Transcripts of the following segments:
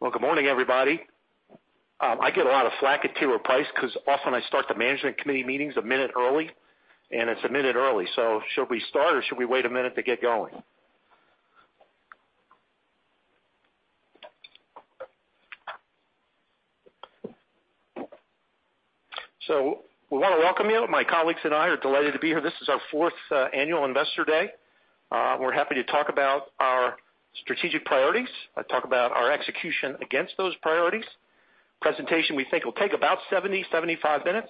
Well, good morning, everybody. I get a lot of flack at T. Rowe Price because often I start the management committee meetings a minute early, and it's a minute early. Should we start or should we wait a minute to get going? We want to welcome you. My colleagues and I are delighted to be here. This is our fourth annual Investor Day. We're happy to talk about our strategic priorities, talk about our execution against those priorities. Presentation, we think, will take about 70, 75 minutes,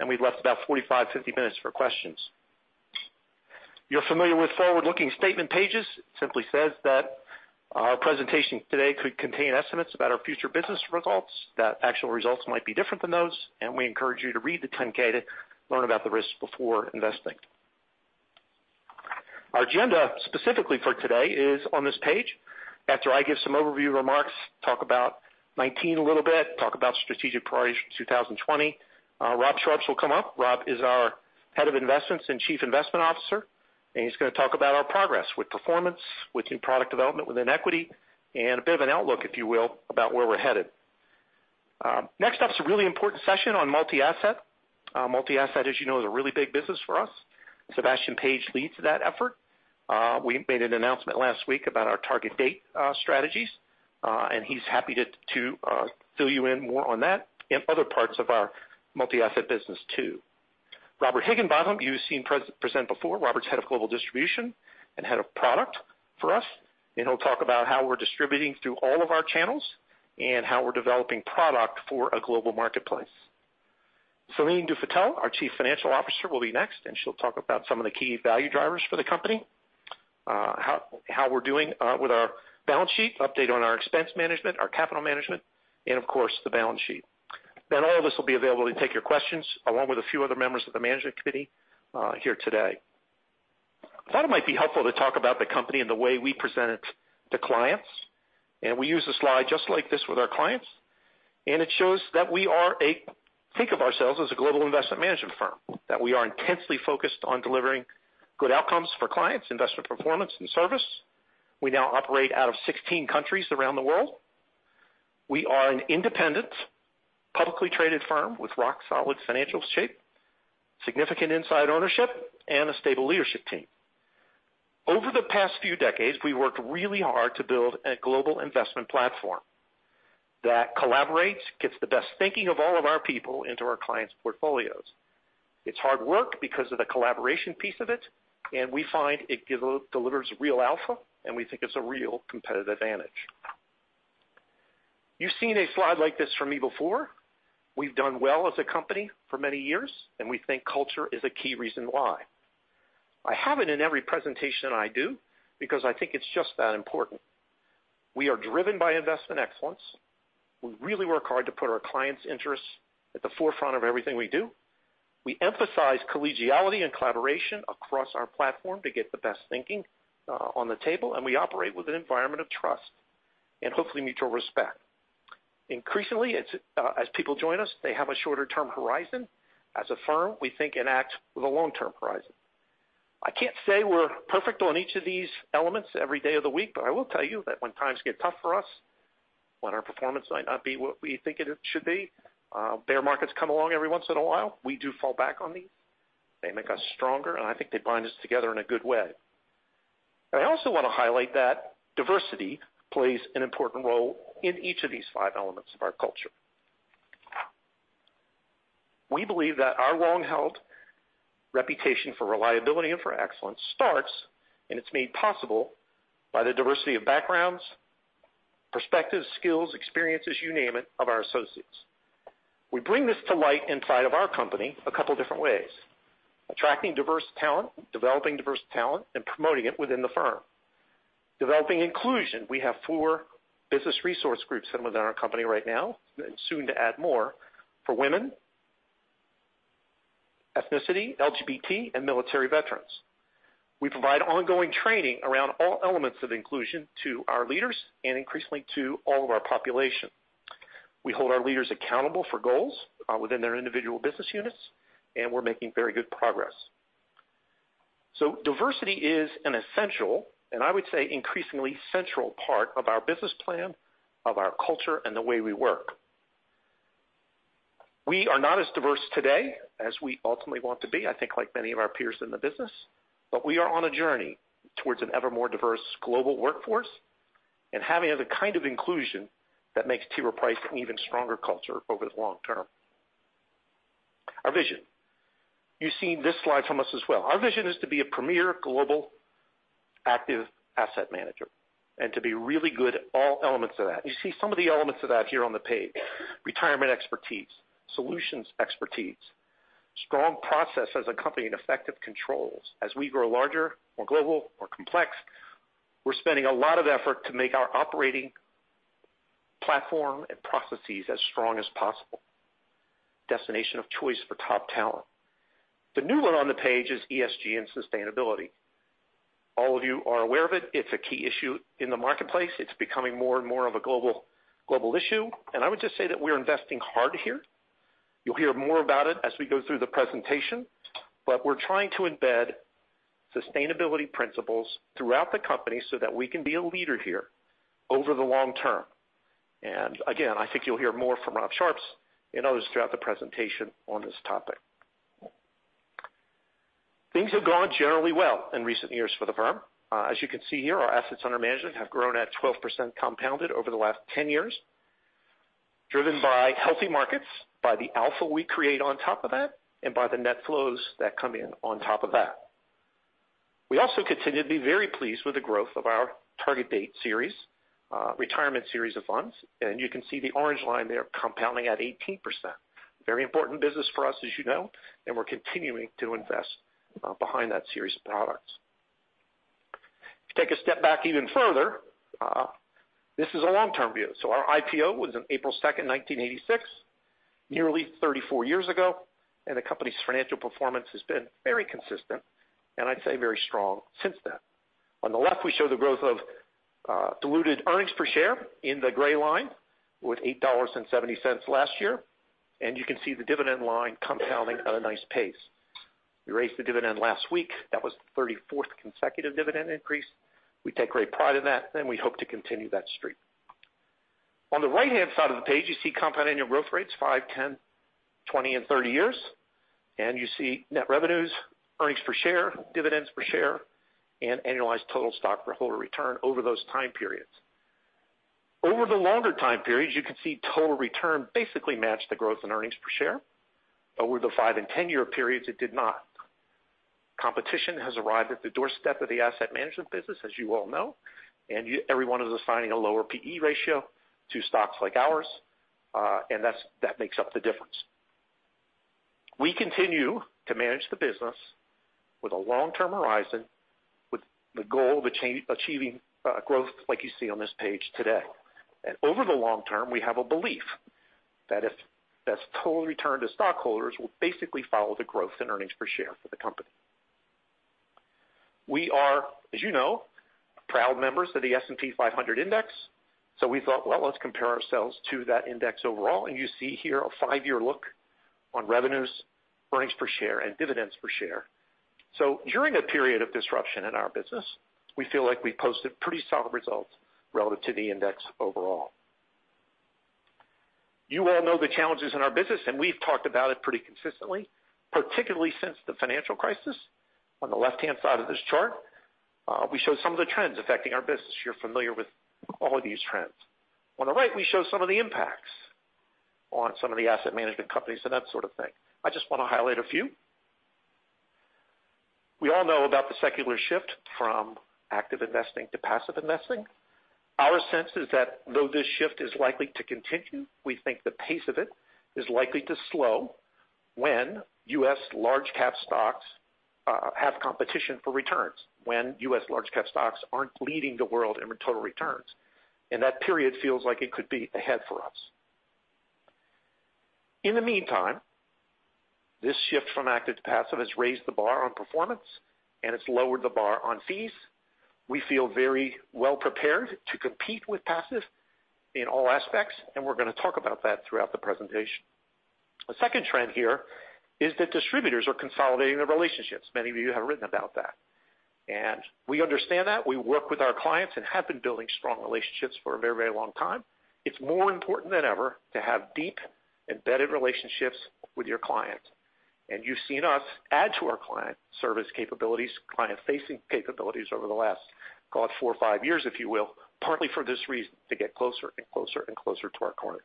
and we've left about 45, 50 minutes for questions. You're familiar with forward-looking statement pages. Simply says that our presentation today could contain estimates about our future business results, that actual results might be different than those, and we encourage you to read the 10-K to learn about the risks before investing. Our agenda specifically for today is on this page. After I give some overview remarks, talk about 2019 a little bit, talk about strategic priorities for 2020. Rob Sharps will come up. Rob is our Head of Investments and Chief Investment Officer, and he's going to talk about our progress with performance, with new product development within equity, and a bit of an outlook, if you will, about where we're headed. Next up is a really important session on multi-asset. Multi-asset, as you know, is a really big business for us. Sébastien Page leads that effort. We made an announcement last week about our target date strategies, and he's happy to fill you in more on that and other parts of our multi-asset business too. Robert Higginbotham, you've seen present before. Robert's Head of Global Distribution and Head of Product for us, and he'll talk about how we're distributing through all of our channels and how we're developing product for a global marketplace. Céline Dufétel, our Chief Financial Officer, will be next, and she'll talk about some of the key value drivers for the company, how we're doing with our balance sheet, update on our expense management, our capital management, and of course, the balance sheet. All of us will be available to take your questions, along with a few other members of the management committee here today. I thought it might be helpful to talk about the company and the way we present it to clients, and we use a slide just like this with our clients. It shows that we think of ourselves as a global investment management firm, that we are intensely focused on delivering good outcomes for clients, investor performance, and service. We now operate out of 16 countries around the world. We are an independent, publicly traded firm with rock-solid financial shape, significant inside ownership, and a stable leadership team. Over the past few decades, we worked really hard to build a global investment platform that collaborates, gets the best thinking of all of our people into our clients' portfolios. It's hard work because of the collaboration piece of it, and we find it delivers real alpha, and we think it's a real competitive advantage. You've seen a slide like this from me before. We've done well as a company for many years, and we think culture is a key reason why. I have it in every presentation I do because I think it's just that important. We are driven by investment excellence. We really work hard to put our clients' interests at the forefront of everything we do. We emphasize collegiality and collaboration across our platform to get the best thinking on the table, and we operate with an environment of trust, and hopefully mutual respect. Increasingly, as people join us, they have a shorter-term horizon. As a firm, we think and act with a long-term horizon. I can't say we're perfect on each of these elements every day of the week, but I will tell you that when times get tough for us, when our performance might not be what we think it should be, bear markets come along every once in a while. We do fall back on these. They make us stronger, and I think they bind us together in a good way. I also want to highlight that diversity plays an important role in each of these five elements of our culture. We believe that our long-held reputation for reliability and for excellence starts, and it's made possible by the diversity of backgrounds, perspectives, skills, experiences, you name it, of our associates. We bring this to light inside of our company a couple different ways. Attracting diverse talent, developing diverse talent, and promoting it within the firm. Developing inclusion. We have four business resource groups within our company right now, and soon to add more, for women, ethnicity, LGBT, and military veterans. We provide ongoing training around all elements of inclusion to our leaders and increasingly to all of our population. We hold our leaders accountable for goals within their individual business units, and we're making very good progress. Diversity is an essential, and I would say increasingly central part of our business plan, of our culture, and the way we work. We are not as diverse today as we ultimately want to be, I think like many of our peers in the business, but we are on a journey towards an ever more diverse global workforce and having the kind of inclusion that makes T. Rowe Price an even stronger culture over the long term. Our vision. You've seen this slide from us as well. Our vision is to be a premier global active asset manager, and to be really good at all elements of that. You see some of the elements of that here on the page. Retirement expertise, solutions expertise, strong process as a company, and effective controls. As we grow larger, more global, more complex, we're spending a lot of effort to make our operating platform and processes as strong as possible. Destination of choice for top talent. The new one on the page is ESG and sustainability. All of you are aware of it. It's a key issue in the marketplace. It's becoming more and more of a global issue. I would just say that we're investing hard here. You'll hear more about it as we go through the presentation, but we're trying to embed sustainability principles throughout the company so that we can be a leader here over the long term. Again, I think you'll hear more from Rob Sharps and others throughout the presentation on this topic. Things have gone generally well in recent years for the firm. As you can see here, our assets under management have grown at 12% compounded over the last 10 years, driven by healthy markets, by the alpha we create on top of that, and by the net flows that come in on top of that. We also continue to be very pleased with the growth of our target date series, retirement series of funds. You can see the orange line there compounding at 18%. Very important business for us, as you know, and we're continuing to invest behind that series of products. If you take a step back even further, this is a long-term view. Our IPO was on April 2nd, 1986, nearly 34 years ago, and the company's financial performance has been very consistent, and I'd say very strong since then. On the left, we show the growth of diluted earnings per share in the gray line with $8.70 last year. You can see the dividend line compounding at a nice pace. We raised the dividend last week. That was the 34th consecutive dividend increase. We take great pride in that, and we hope to continue that streak. On the right-hand side of the page, you see compound annual growth rates, five, 10, 20, and 30 years. You see net revenues, earnings per share, dividends per share, and annualized total stockholder return over those time periods. Over the longer time periods, you can see total return basically matched the growth in earnings per share. Over the five and 10 year periods, it did not. Competition has arrived at the doorstep of the asset management business, as you all know, everyone is assigning a lower P/E ratio to stocks like ours. That makes up the difference. We continue to manage the business with a long-term horizon, with the goal of achieving growth like you see on this page today. Over the long-term, we have a belief that its total return to stockholders will basically follow the growth in earnings per share for the company. We are, as you know, proud members of the S&P 500 index. We thought, well, let's compare ourselves to that index overall. You see here a five-year look on revenues, earnings per share, and dividends per share. During a period of disruption in our business, we feel like we posted pretty solid results relative to the index overall. You all know the challenges in our business, and we've talked about it pretty consistently, particularly since the financial crisis. On the left-hand side of this chart, we show some of the trends affecting our business. You're familiar with all these trends. On the right, we show some of the impacts on some of the asset management companies and that sort of thing. I just want to highlight a few. We all know about the secular shift from active investing to passive investing. Our sense is that though this shift is likely to continue, we think the pace of it is likely to slow when U.S. large cap stocks have competition for returns. When U.S. large cap stocks aren't leading the world in total returns. That period feels like it could be ahead for us. In the meantime, this shift from active to passive has raised the bar on performance and it's lowered the bar on fees. We feel very well prepared to compete with passive in all aspects. We're going to talk about that throughout the presentation. A second trend here is that distributors are consolidating their relationships. Many of you have written about that. We understand that. We work with our clients and have been building strong relationships for a very long time. It's more important than ever to have deep embedded relationships with your clients. You've seen us add to our client service capabilities, client facing capabilities over the last, call it four or five years, if you will, partly for this reason, to get closer and closer and closer to our clients.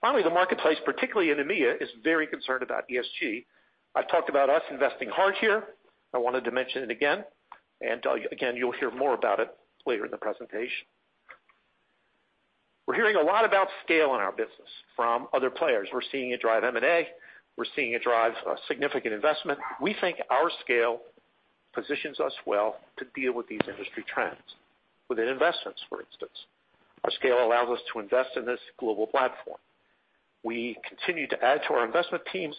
Finally, the marketplace, particularly in EMEA, is very concerned about ESG. I've talked about us investing hard here. I wanted to mention it again. Again, you'll hear more about it later in the presentation. We're hearing a lot about scale in our business from other players. We're seeing it drive M&A. We're seeing it drive significant investment. We think our scale positions us well to deal with these industry trends. Within investments, for instance, our scale allows us to invest in this global platform. We continue to add to our investment teams,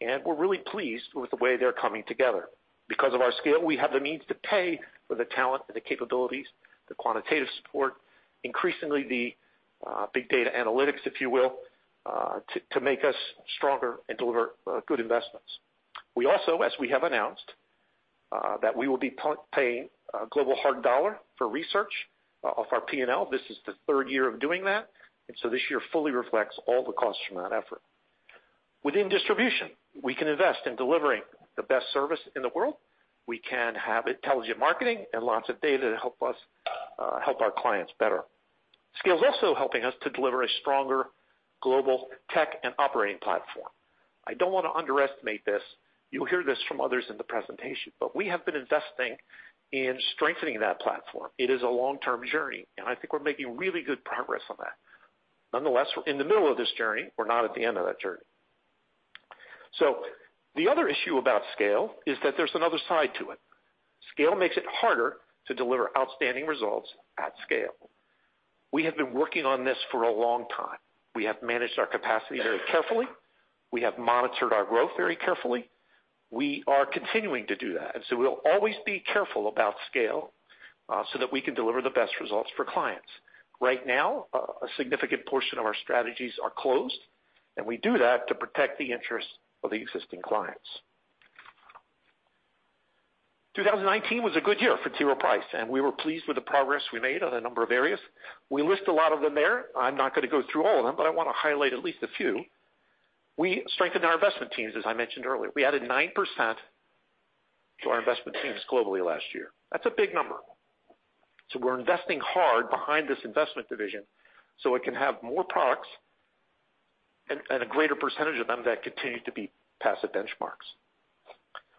and we're really pleased with the way they're coming together. Because of our scale, we have the means to pay for the talent and the capabilities, the quantitative support, increasingly the big data analytics, if you will, to make us stronger and deliver good investments. We also, as we have announced, that we will be paying global hard dollar for research off our P&L. This is the third year of doing that. This year fully reflects all the costs from that effort. Within distribution, we can invest in delivering the best service in the world. We can have intelligent marketing and lots of data to help our clients better. Scale is also helping us to deliver a stronger global tech and operating platform. I don't want to underestimate this. You'll hear this from others in the presentation, we have been investing in strengthening that platform. It is a long-term journey, and I think we're making really good progress on that. Nonetheless, we're in the middle of this journey. We're not at the end of that journey. The other issue about scale is that there's another side to it. Scale makes it harder to deliver outstanding results at scale. We have been working on this for a long time. We have managed our capacity very carefully. We have monitored our growth very carefully. We are continuing to do that. We'll always be careful about scale so that we can deliver the best results for clients. Right now, a significant portion of our strategies are closed, and we do that to protect the interests of the existing clients. 2019 was a good year for T. Rowe Price, and we were pleased with the progress we made on a number of areas. We list a lot of them there. I'm not going to go through all of them, but I want to highlight at least a few. We strengthened our investment teams, as I mentioned earlier. We added 9% to our investment teams globally last year. That's a big number. We're investing hard behind this investment division so it can have more products and a greater percentage of them that continue to beat passive benchmarks.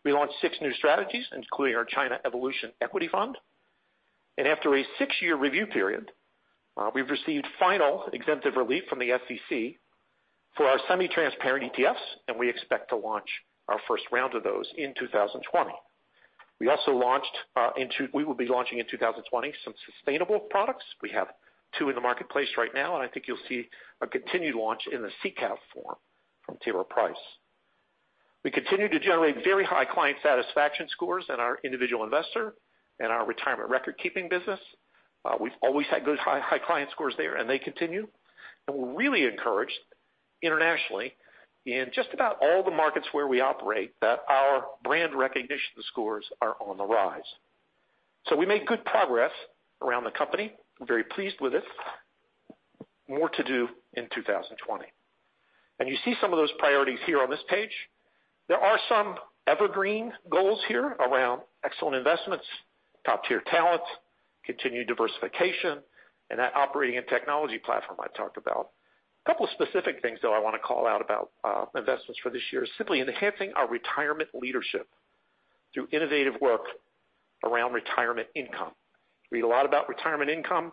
We launched six new strategies, including our China Evolution Equity Fund. After a six-year review period, we've received final exemptive relief from the SEC for our semi-transparent ETFs, and we expect to launch our first round of those in 2020. We will be launching in 2020 some sustainable products. We have two in the marketplace right now, and I think you'll see a continued launch in the SICAV form from T. Rowe Price. We continue to generate very high client satisfaction scores in our individual investor and our retirement record-keeping business. We've always had good high client scores there, and they continue. We're really encouraged internationally in just about all the markets where we operate that our brand recognition scores are on the rise. We made good progress around the company. I'm very pleased with it. More to do in 2020. You see some of those priorities here on this page. There are some evergreen goals here around excellent investments, top-tier talent, continued diversification, and that operating and technology platform I talked about. A couple of specific things, though, I want to call out about investments for this year is simply enhancing our retirement leadership through innovative work around retirement income. Read a lot about retirement income.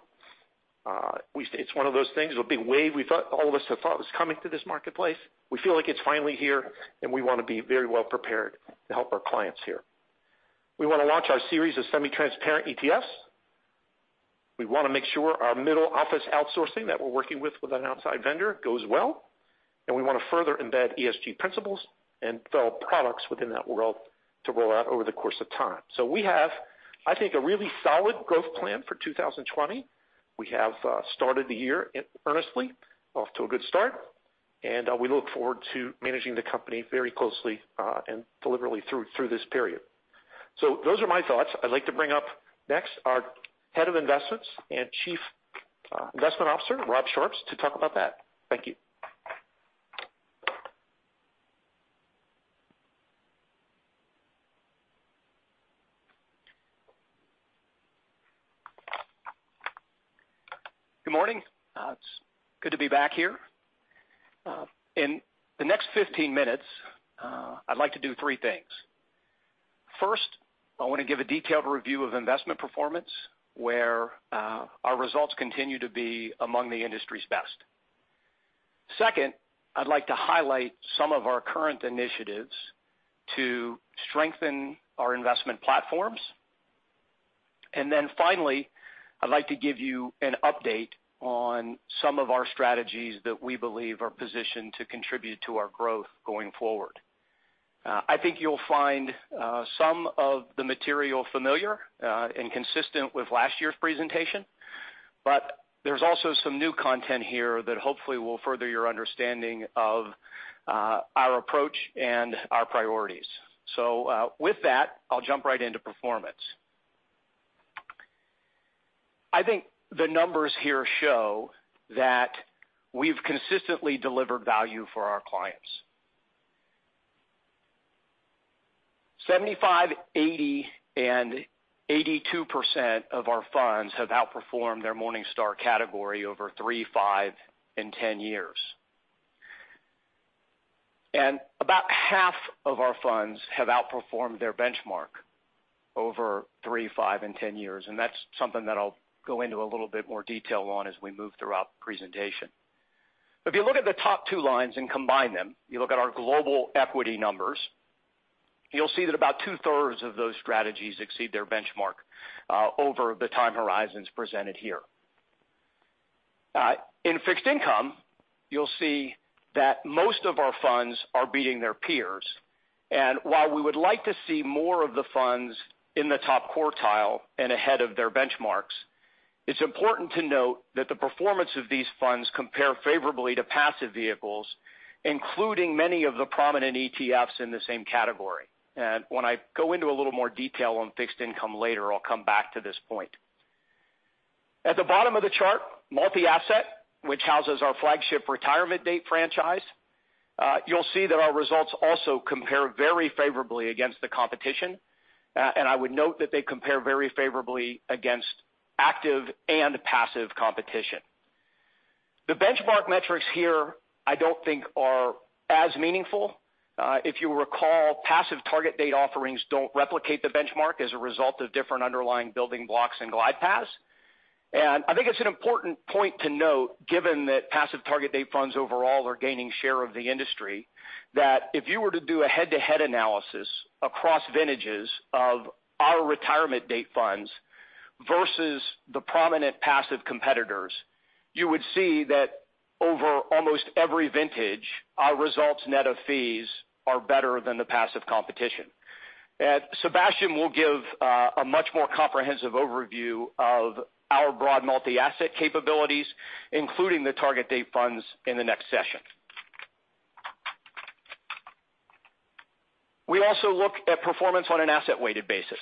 It's one of those things, a big wave all of us have thought was coming to this marketplace. We feel like it's finally here, and we want to be very well-prepared to help our clients here. We want to launch our series of semi-transparent ETFs. We want to make sure our middle office outsourcing that we're working with an outside vendor goes well. We want to further embed ESG principles and develop products within that world to roll out over the course of time. We have, I think, a really solid growth plan for 2020. We have started the year earnestly, off to a good start, and we look forward to managing the company very closely and deliberately through this period. Those are my thoughts. I'd like to bring up next our Head of Investments and Chief Investment Officer, Rob Sharps, to talk about that. Thank you. Good morning. It's good to be back here. In the next 15 minutes, I'd like to do three things. First, I want to give a detailed review of investment performance, where our results continue to be among the industry's best. Second, I'd like to highlight some of our current initiatives to strengthen our investment platforms. Finally, I'd like to give you an update on some of our strategies that we believe are positioned to contribute to our growth going forward. I think you'll find some of the material familiar and consistent with last year's presentation, but there's also some new content here that hopefully will further your understanding of our approach and our priorities. With that, I'll jump right into performance. I think the numbers here show that we've consistently delivered value for our clients. 75%, 80%, and 82% of our funds have outperformed their Morningstar category over three, five, and 10 years. About half of our funds have outperformed their benchmark over three, five, and 10 years, and that's something that I'll go into a little bit more detail on as we move throughout the presentation. If you look at the top two lines and combine them, you look at our global equity numbers, you'll see that about 2/3 Of those strategies exceed their benchmark over the time horizons presented here. In fixed income, you'll see that most of our funds are beating their peers. While we would like to see more of the funds in the top quartile and ahead of their benchmarks, it's important to note that the performance of these funds compare favorably to passive vehicles, including many of the prominent ETFs in the same category. When I go into a little more detail on fixed income later, I'll come back to this point. At the bottom of the chart, multi-asset, which houses our flagship Retirement Date franchise, you'll see that our results also compare very favorably against the competition. I would note that they compare very favorably against active and passive competition. The benchmark metrics here I don't think are as meaningful. If you recall, passive target date offerings don't replicate the benchmark as a result of different underlying building blocks and glide paths. I think it's an important point to note, given that passive target-date funds overall are gaining share of the industry, that if you were to do a head-to-head analysis across vintages of our Retirement Date Funds versus the prominent passive competitors, you would see that over almost every vintage, our results net of fees are better than the passive competition. Sébastien will give a much more comprehensive overview of our broad multi-asset capabilities, including the target-date funds, in the next session. We also look at performance on an asset-weighted basis.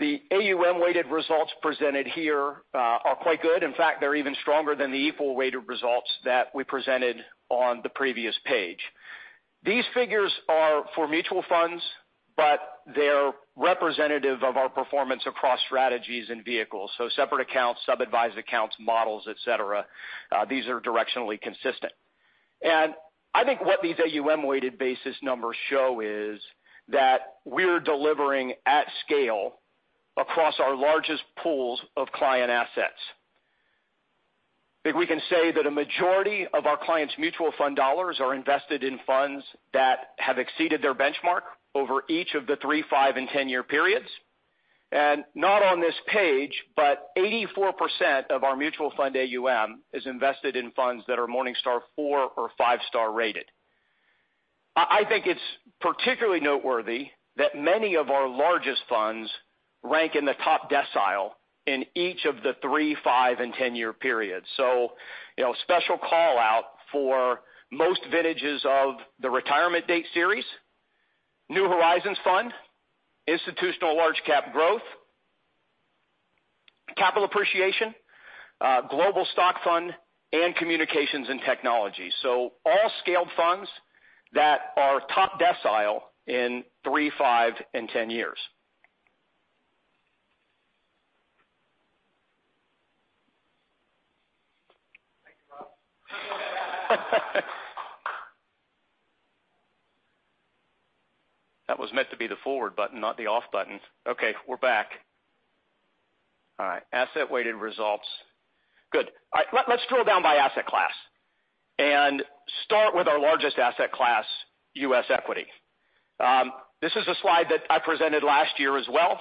The AUM-weighted results presented here are quite good. In fact, they're even stronger than the equal-weighted results that we presented on the previous page. These figures are for mutual funds, but they're representative of our performance across strategies and vehicles. Separate accounts, sub-advised accounts, models, et cetera, these are directionally consistent. I think what these AUM-weighted basis numbers show is that we are delivering at scale across our largest pools of client assets. I think we can say that a majority of our clients' mutual fund dollars are invested in funds that have exceeded their benchmark over each of the three, five, and 10-year periods. Not on this page, 84% of our mutual fund AUM is invested in funds that are Morningstar four- or five-star rated. I think it is particularly noteworthy that many of our largest funds rank in the top decile in each of the three, five, and 10-year periods. A special call-out for most vintages of the Retirement Date Series, New Horizons Fund, Institutional Large-Cap Growth, Capital Appreciation, Global Stock Fund, and Communications & Technology. All scaled funds that are top decile in three, five, and 10 years. That was meant to be the forward button, not the off button. Okay, we're back. All right. Asset-weighted results. Good. All right. Let's drill down by asset class and start with our largest asset class, U.S. equity. This is a slide that I presented last year as well.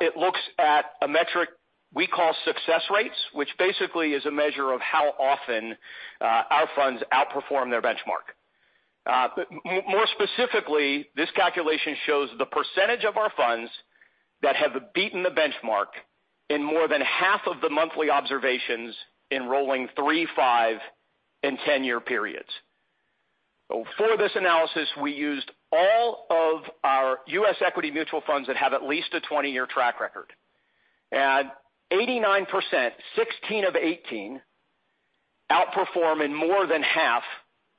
It looks at a metric we call success rates, which basically is a measure of how often our funds outperform their benchmark. More specifically, this calculation shows the percentage of our funds that have beaten the benchmark in more than half of the monthly observations in rolling three, five, and 10-year periods. For this analysis, we used all of our U.S. equity mutual funds that have at least a 20-year track record. 89%, 16 of 18, outperform in more than half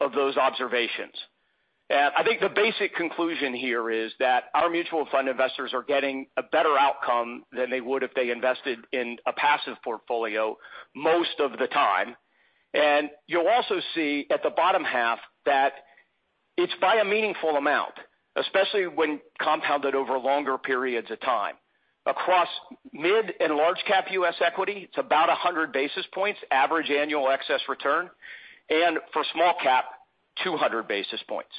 of those observations. I think the basic conclusion here is that our mutual fund investors are getting a better outcome than they would if they invested in a passive portfolio most of the time. You'll also see at the bottom half that it's by a meaningful amount, especially when compounded over longer periods of time. Across mid and large cap U.S. equity, it's about 100 basis points average annual excess return, and for small cap, 200 basis points.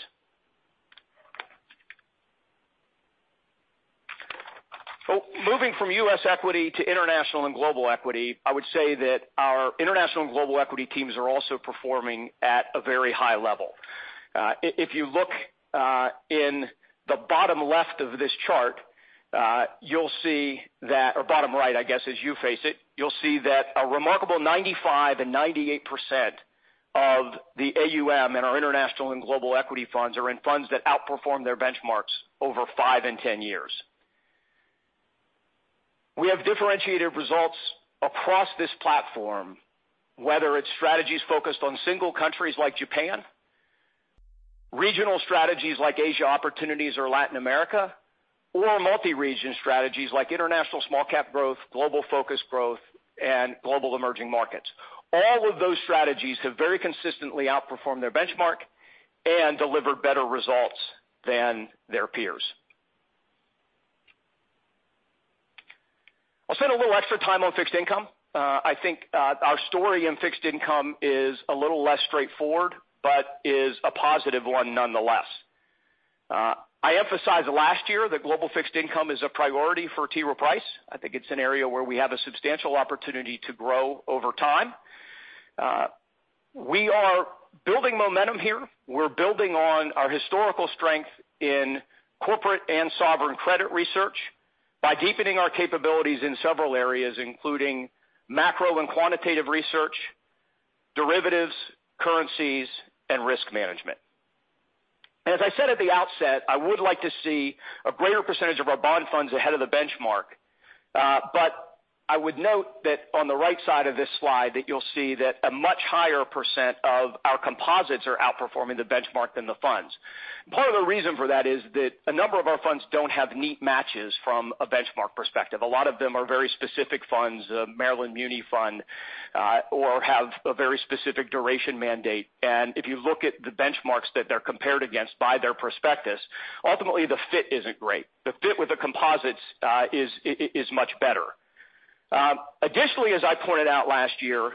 Moving from U.S. equity to international and global equity, I would say that our international and global equity teams are also performing at a very high level. If you look in the bottom left of this chart, or bottom right, I guess, as you face it, you'll see that a remarkable 95% and 98% of the AUM in our international and global equity funds are in funds that outperform their benchmarks over five and 10 years. We have differentiated results across this platform, whether it's strategies focused on single countries like Japan, regional strategies like Asia Opportunities or Latin America, or multi-region strategies like International Small Cap Growth, Global Focused Growth, and Global Emerging Markets. All of those strategies have very consistently outperformed their benchmark and delivered better results than their peers. I'll spend a little extra time on fixed income. I think our story in fixed income is a little less straightforward, but is a positive one nonetheless. I emphasized last year that global fixed income is a priority for T. Rowe Price. I think it's an area where we have a substantial opportunity to grow over time. We are building momentum here. We're building on our historical strength in corporate and sovereign credit research by deepening our capabilities in several areas, including macro and quantitative research, derivatives, currencies, and risk management. As I said at the outset, I would like to see a greater percentage of our bond funds ahead of the benchmark. I would note that on the right side of this slide, that you'll see that a much higher percent of our composites are outperforming the benchmark than the funds. Part of the reason for that is that a number of our funds don't have neat matches from a benchmark perspective. A lot of them are very specific funds, Maryland Muni Fund, or have a very specific duration mandate. If you look at the benchmarks that they're compared against by their prospectus, ultimately, the fit isn't great. The fit with the composites is much better. Additionally, as I pointed out last year,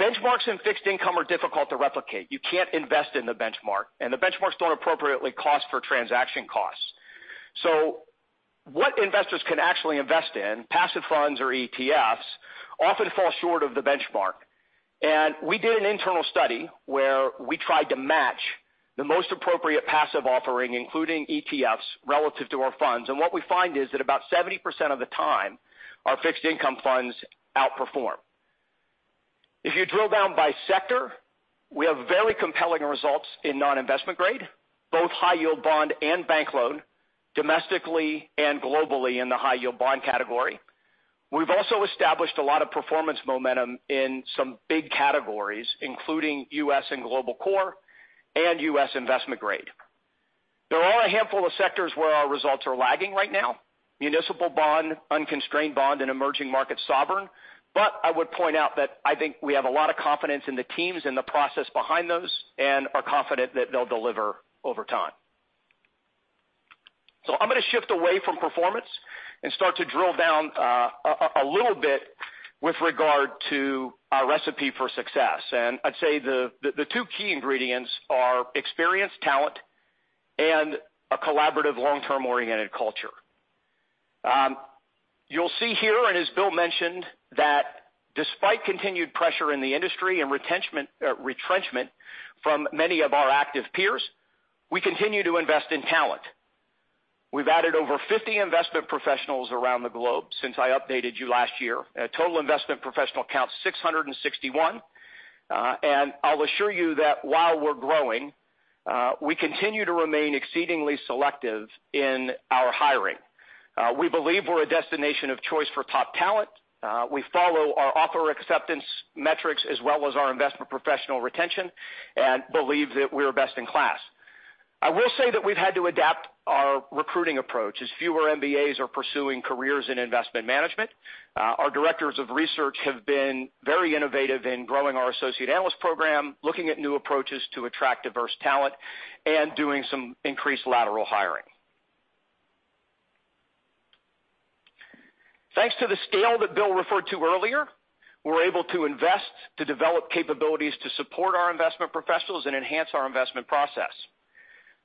benchmarks in fixed income are difficult to replicate. You can't invest in the benchmark, and the benchmarks don't appropriately cost for transaction costs. What investors can actually invest in, passive funds or ETFs, often fall short of the benchmark. We did an internal study where we tried to match the most appropriate passive offering, including ETFs relative to our funds. What we find is that about 70% of the time our fixed income funds outperform. If you drill down by sector, we have very compelling results in non-investment grade, both high-yield bond and bank loan, domestically and globally in the high-yield bond category. We've also established a lot of performance momentum in some big categories, including U.S. and global core and U.S. investment grade. There are a handful of sectors where our results are lagging right now, municipal bond, unconstrained bond, and emerging market sovereign. I would point out that I think we have a lot of confidence in the teams and the process behind those and are confident that they'll deliver over time. I'm going to shift away from performance and start to drill down a little bit with regard to our recipe for success. I'd say the two key ingredients are experienced talent and a collaborative long-term oriented culture. You'll see here, and as Bill mentioned, that despite continued pressure in the industry and retrenchment from many of our active peers, we continue to invest in talent. We've added over 50 investment professionals around the globe since I updated you last year. Total investment professional count, 661. I'll assure you that while we're growing, we continue to remain exceedingly selective in our hiring. We believe we're a destination of choice for top talent. We follow our offer acceptance metrics as well as our investment professional retention and believe that we're best in class. I will say that we've had to adapt our recruiting approach as fewer MBAs are pursuing careers in investment management. Our directors of research have been very innovative in growing our Associate Analyst program, looking at new approaches to attract diverse talent, and doing some increased lateral hiring. Thanks to the scale that Bill referred to earlier, we're able to invest to develop capabilities to support our investment professionals and enhance our investment process.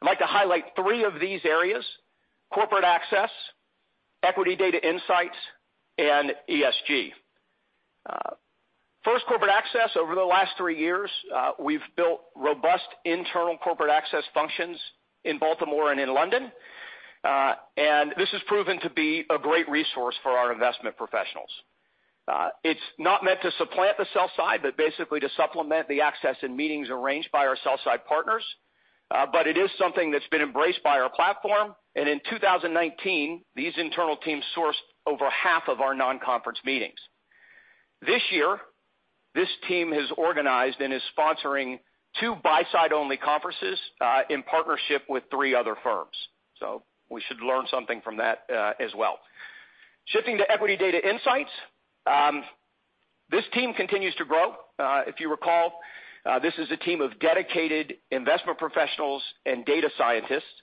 I'd like to highlight three of these areas, corporate access, equity data insights, and ESG. First, corporate access. Over the last three years, we've built robust internal corporate access functions in Baltimore and in London. This has proven to be a great resource for our investment professionals. It's not meant to supplant the sell side, but basically to supplement the access and meetings arranged by our sell-side partners. It is something that's been embraced by our platform, and in 2019, these internal teams sourced over half of our non-conference meetings. This year, this team has organized and is sponsoring two buy-side only conferences, in partnership with three other firms. We should learn something from that as well. Shifting to equity data insights. This team continues to grow. If you recall, this is a team of dedicated investment professionals and data scientists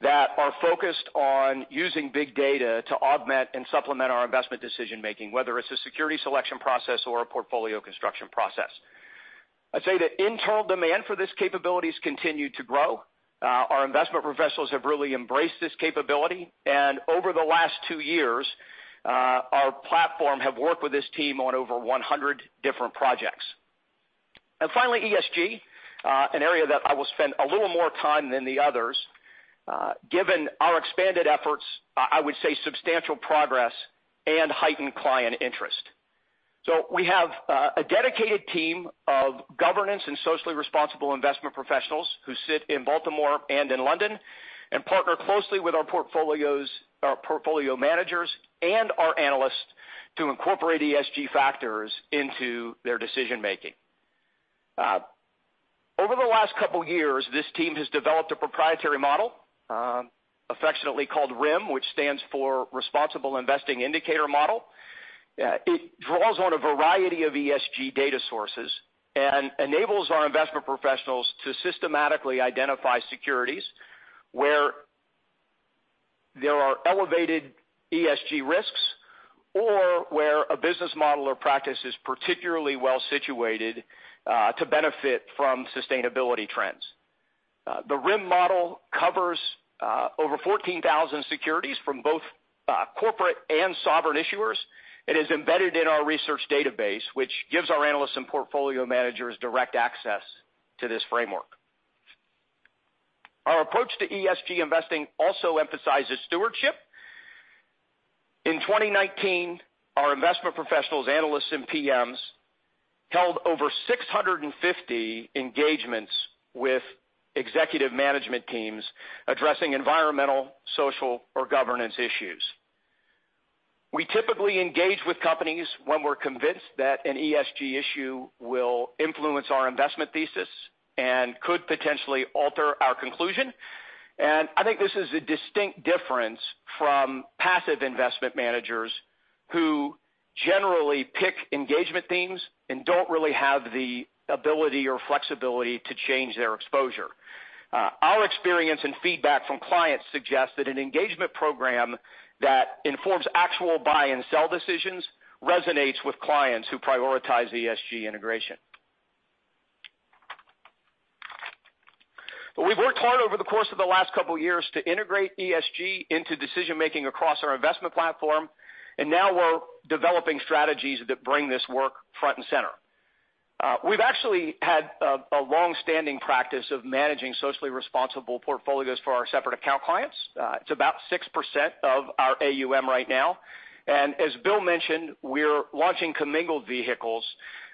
that are focused on using big data to augment and supplement our investment decision-making, whether it's a security selection process or a portfolio construction process. I'd say the internal demand for this capability has continued to grow. Our investment professionals have really embraced this capability, and over the last two years, our platform have worked with this team on over 100 different projects. Finally, ESG, an area that I will spend a little more time than the others given our expanded efforts, I would say substantial progress, and heightened client interest. We have a dedicated team of governance and socially responsible investment professionals who sit in Baltimore and in London and partner closely with our portfolio managers and our analysts to incorporate ESG factors into their decision-making. Over the last couple of years, this team has developed a proprietary model, affectionately called RIIM, which stands for Responsible Investing Indicator Model. It draws on a variety of ESG data sources and enables our investment professionals to systematically identify securities where there are elevated ESG risks or where a business model or practice is particularly well situated to benefit from sustainability trends. The RIIM model covers over 14,000 securities from both corporate and sovereign issuers. It is embedded in our research database, which gives our analysts and portfolio managers direct access to this framework. Our approach to ESG investing also emphasizes stewardship. In 2019, our investment professionals, analysts, and PMs held over 650 engagements with executive management teams addressing environmental, social, or governance issues. We typically engage with companies when we're convinced that an ESG issue will influence our investment thesis and could potentially alter our conclusion. I think this is a distinct difference from passive investment managers who generally pick engagement themes and don't really have the ability or flexibility to change their exposure. Our experience and feedback from clients suggest that an engagement program that informs actual buy and sell decisions resonates with clients who prioritize ESG integration. We've worked hard over the course of the last couple of years to integrate ESG into decision-making across our investment platform, and now we're developing strategies that bring this work front and center. We've actually had a long-standing practice of managing socially responsible portfolios for our separate account clients. It's about 6% of our AUM right now. As Bill mentioned, we're launching commingled vehicles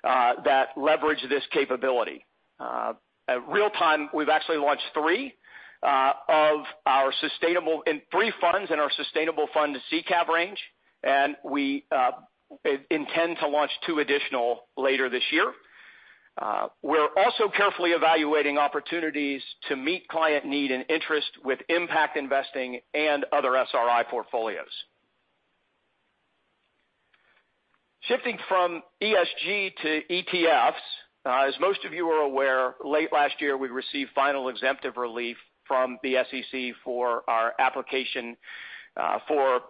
that leverage this capability. At real-time, we've actually launched three funds in our sustainable fund SICAV range, and we intend to launch two additional later this year. We're also carefully evaluating opportunities to meet client need and interest with impact investing and other SRI portfolios. Shifting from ESG to ETFs. As most of you are aware, late last year, we received final exemptive relief from the SEC for our application for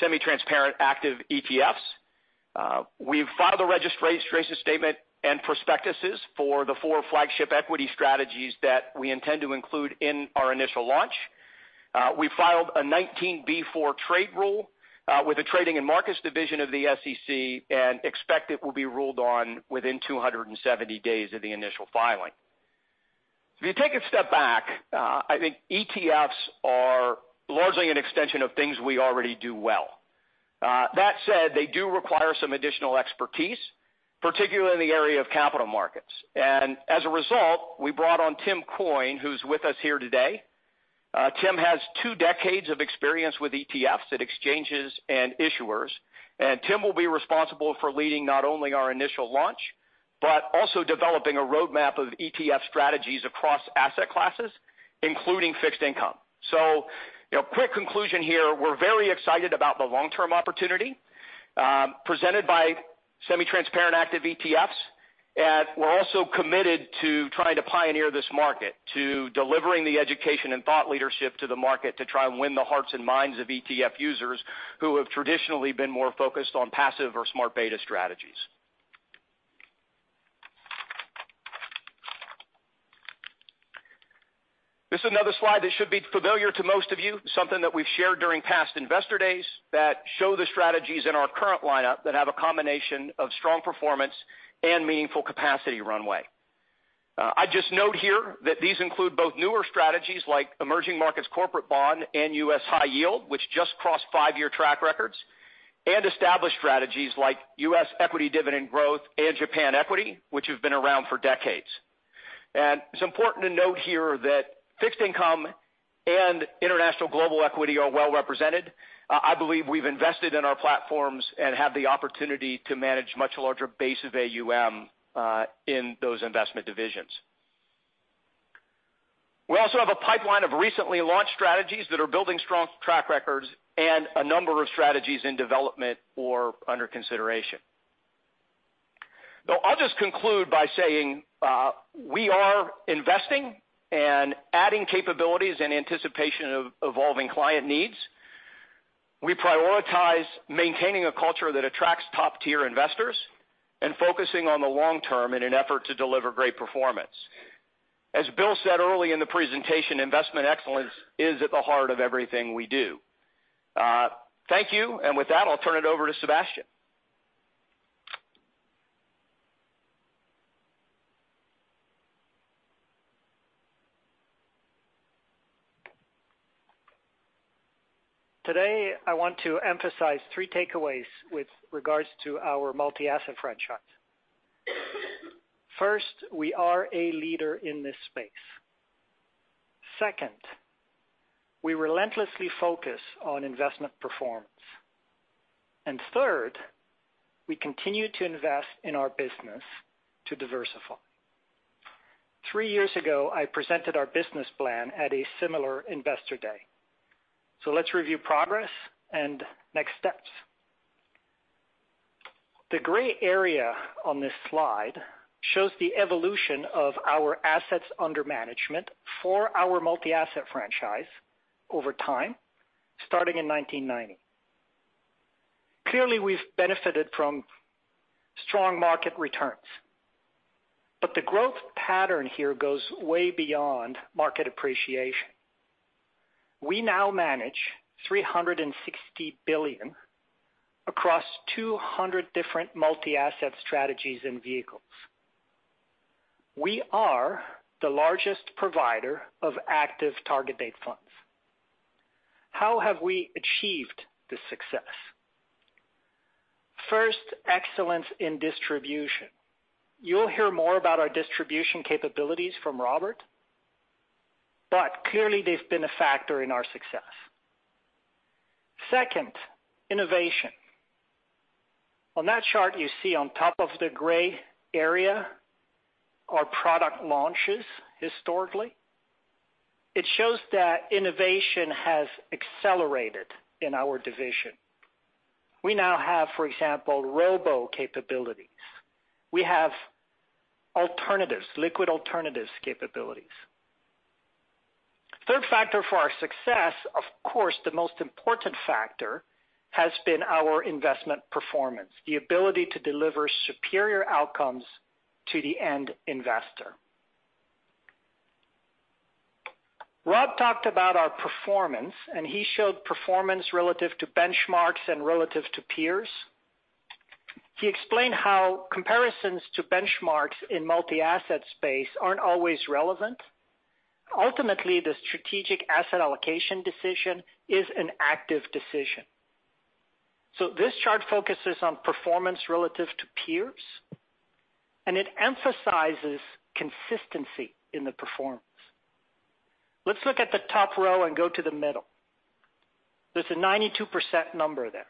semi-transparent active ETFs. We've filed a registration statement and prospectuses for the four flagship equity strategies that we intend to include in our initial launch. We filed a 19b-4 trade rule with the trading and markets division of the SEC and expect it will be ruled on within 270 days of the initial filing. If you take a step back, I think ETFs are largely an extension of things we already do well. That said, they do require some additional expertise, particularly in the area of capital markets. As a result, we brought on Tim Coyne, who's with us here today. Tim has two decades of experience with ETFs at exchanges and issuers. Tim will be responsible for leading not only our initial launch, but also developing a roadmap of ETF strategies across asset classes, including fixed income. Quick conclusion here. We're very excited about the long-term opportunity presented by semi-transparent active ETFs, and we're also committed to trying to pioneer this market, to delivering the education and thought leadership to the market to try and win the hearts and minds of ETF users who have traditionally been more focused on passive or smart beta strategies. This is another slide that should be familiar to most of you, something that we've shared during past investor days that show the strategies in our current lineup that have a combination of strong performance and meaningful capacity runway. I'd just note here that these include both newer strategies like Emerging Markets Corporate Bond, and U.S. High Yield, which just crossed five-year track records, and established strategies like U.S. Dividend Growth and Japan Equity, which have been around for decades. It's important to note here that fixed income and international global equity are well represented. I believe we've invested in our platforms and have the opportunity to manage much larger base of AUM in those investment divisions. We also have a pipeline of recently launched strategies that are building strong track records and a number of strategies in development or under consideration. I'll just conclude by saying we are investing and adding capabilities in anticipation of evolving client needs. We prioritize maintaining a culture that attracts top-tier investors and focusing on the long term in an effort to deliver great performance. As Bill said early in the presentation, investment excellence is at the heart of everything we do. Thank you. With that, I'll turn it over to Sébastien. Today, I want to emphasize three takeaways with regards to our multi-asset franchise. First, we are a leader in this space. Second, we relentlessly focus on investment performance. Third, we continue to invest in our business to diversify. Three years ago, I presented our business plan at a similar Investor Day. Let's review progress and next steps. The gray area on this slide shows the evolution of our assets under management for our multi-asset franchise over time, starting in 1990. Clearly, we've benefited from strong market returns. The growth pattern here goes way beyond market appreciation. We now manage $360 billion across 200 different multi-asset strategies and vehicles. We are the largest provider of active Target Date Funds. How have we achieved this success? First, excellence in distribution. You'll hear more about our distribution capabilities from Robert, but clearly they've been a factor in our success. Second, innovation. On that chart you see on top of the gray area, our product launches historically. It shows that innovation has accelerated in our division. We now have, for example, robo capabilities. We have alternatives, liquid alternatives capabilities. Third factor for our success, of course, the most important factor, has been our investment performance, the ability to deliver superior outcomes to the end investor. Rob talked about our performance, and he showed performance relative to benchmarks and relative to peers. He explained how comparisons to benchmarks in multi-asset space aren't always relevant. Ultimately, the strategic asset allocation decision is an active decision. This chart focuses on performance relative to peers, and it emphasizes consistency in the performance. Let's look at the top row and go to the middle. There's a 92% number there.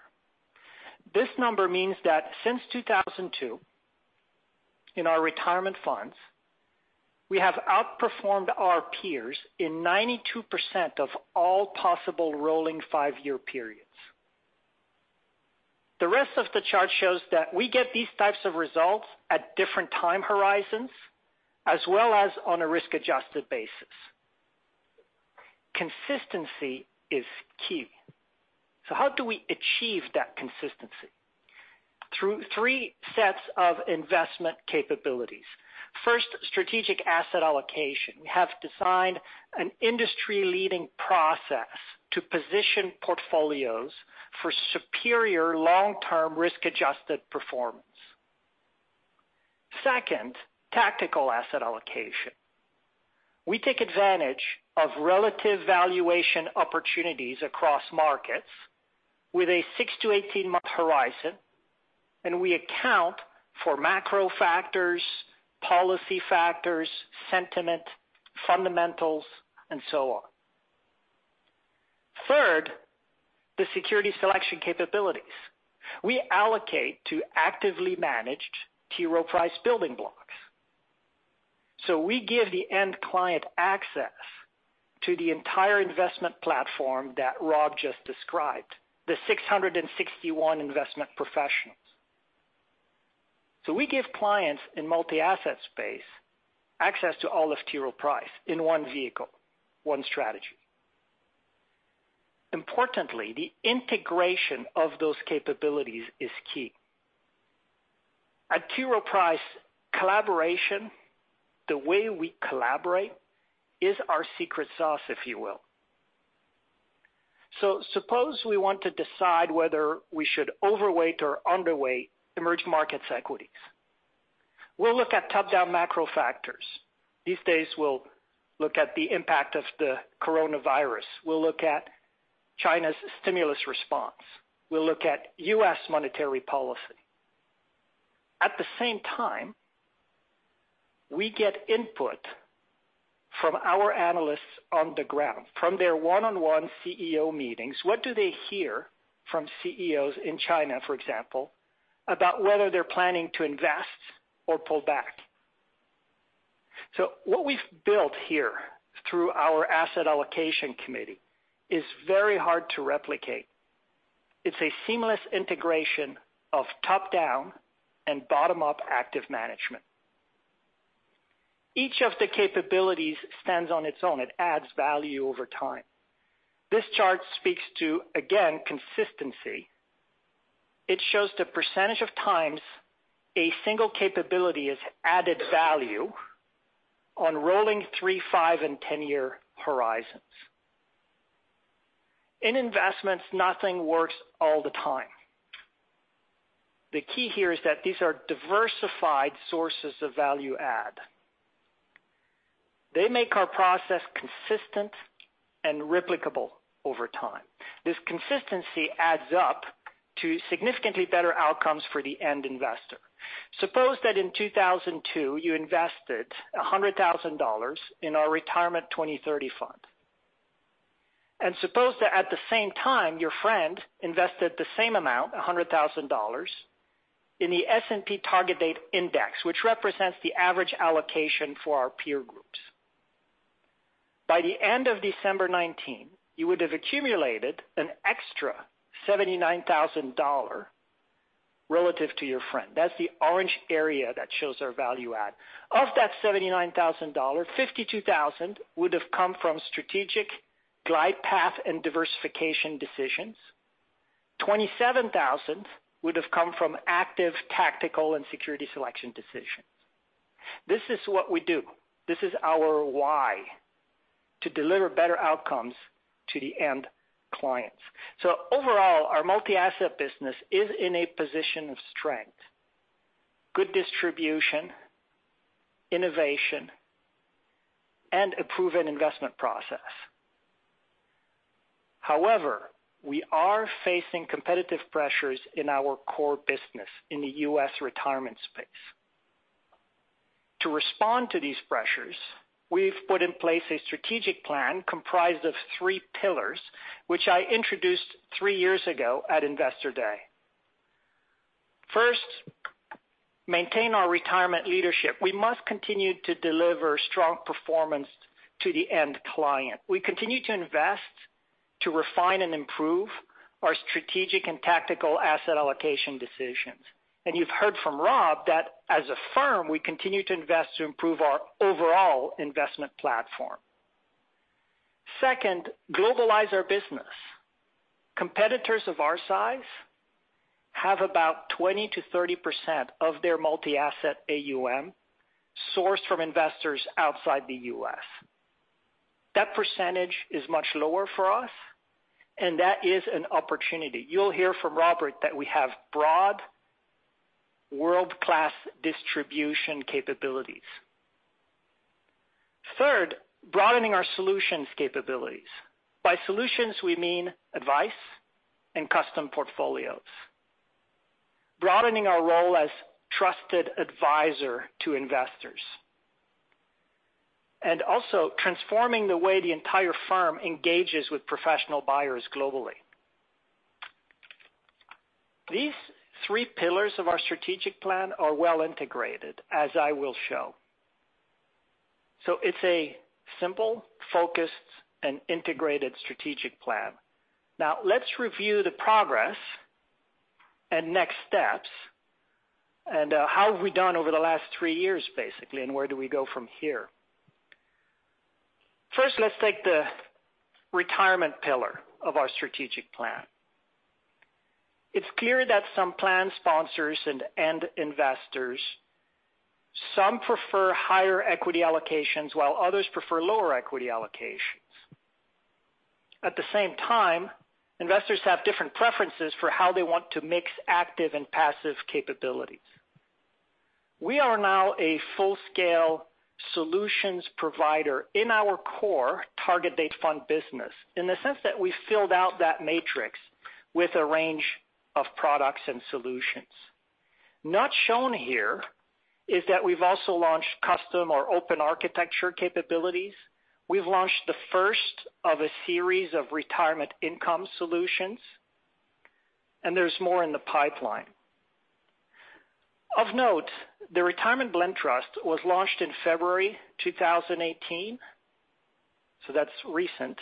This number means that since 2002, in our Retirement Funds, we have outperformed our peers in 92% of all possible rolling five-year periods. The rest of the chart shows that we get these types of results at different time horizons, as well as on a risk-adjusted basis. Consistency is key. How do we achieve that consistency? Through three sets of investment capabilities. First, strategic asset allocation. We have designed an industry-leading process to position portfolios for superior long-term risk-adjusted performance. Second, tactical asset allocation. We take advantage of relative valuation opportunities across markets with a 6-18 months horizon. We account for macro factors, policy factors, sentiment, fundamentals, and so on. Third, the security selection capabilities. We allocate to actively managed T. Rowe Price building blocks. We give the end client access to the entire investment platform that Rob just described, the 661 investment professionals. We give clients in multi-asset space access to all of T. Rowe Price in one vehicle, one strategy. Importantly, the integration of those capabilities is key. At T. Rowe Price, collaboration, the way we collaborate is our secret sauce, if you will. Suppose we want to decide whether we should overweight or underweight emerging markets equities. We'll look at top-down macro factors. These days, we'll look at the impact of the coronavirus. We'll look at China's stimulus response. We'll look at U.S. monetary policy. At the same time, we get input from our analysts on the ground, from their one-on-one CEO meetings. What do they hear from CEOs in China, for example, about whether they're planning to invest or pull back? What we've built here through our asset allocation committee is very hard to replicate. It's a seamless integration of top-down and bottom-up active management. Each of the capabilities stands on its own. It adds value over time. This chart speaks to, again, consistency. It shows the percentage of times a single capability has added value on rolling three, five, and 10-year horizons. In investments, nothing works all the time. The key here is that these are diversified sources of value add. They make our process consistent and replicable over time. This consistency adds up to significantly better outcomes for the end investor. Suppose that in 2002, you invested $100,000 in our Retirement 2030 Fund. Suppose that at the same time, your friend invested the same amount, $100,000, in the S&P Target Date Index, which represents the average allocation for our peer groups. By the end of December 19, you would have accumulated an extra $79,000 relative to your friend. That's the orange area that shows our value add. Of that $79,000, $52,000 would have come from strategic glide path and diversification decisions. $27,000 would have come from active, tactical, and security selection decisions. This is what we do. This is our why. To deliver better outcomes to the end clients. Overall, our multi-asset business is in a position of strength. Good distribution, innovation, and a proven investment process. We are facing competitive pressures in our core business in the U.S. retirement space. To respond to these pressures, we've put in place a strategic plan comprised of three pillars, which I introduced three years ago at Investor Day. First, maintain our retirement leadership. We must continue to deliver strong performance to the end client. We continue to invest to refine and improve our strategic and tactical asset allocation decisions. You've heard from Rob that as a firm, we continue to invest to improve our overall investment platform. Second, globalize our business. Competitors of our size have about 20%-30% of their multi-asset AUM sourced from investors outside the U.S. That percentage is much lower for us. That is an opportunity. You'll hear from Robert that we have broad world-class distribution capabilities. Third, broadening our solutions capabilities. By solutions, we mean advice and custom portfolios. Broadening our role as trusted advisor to investors, and also transforming the way the entire firm engages with professional buyers globally. These three pillars of our strategic plan are well integrated, as I will show. It's a simple, focused, and integrated strategic plan. Let's review the progress and next steps, and how have we done over the last three years, basically, and where do we go from here? First, let's take the retirement pillar of our strategic plan. It's clear that some plan sponsors and end investors, some prefer higher equity allocations, while others prefer lower equity allocations. At the same time, investors have different preferences for how they want to mix active and passive capabilities. We are now a full-scale solutions provider in our core Target Date Fund business in the sense that we filled out that matrix with a range of products and solutions. Not shown here is that we've also launched custom or open architecture capabilities. We've launched the first of a series of retirement income solutions, and there's more in the pipeline. Of note, the Retirement Blend Trust was launched in February 2018, so that's recent.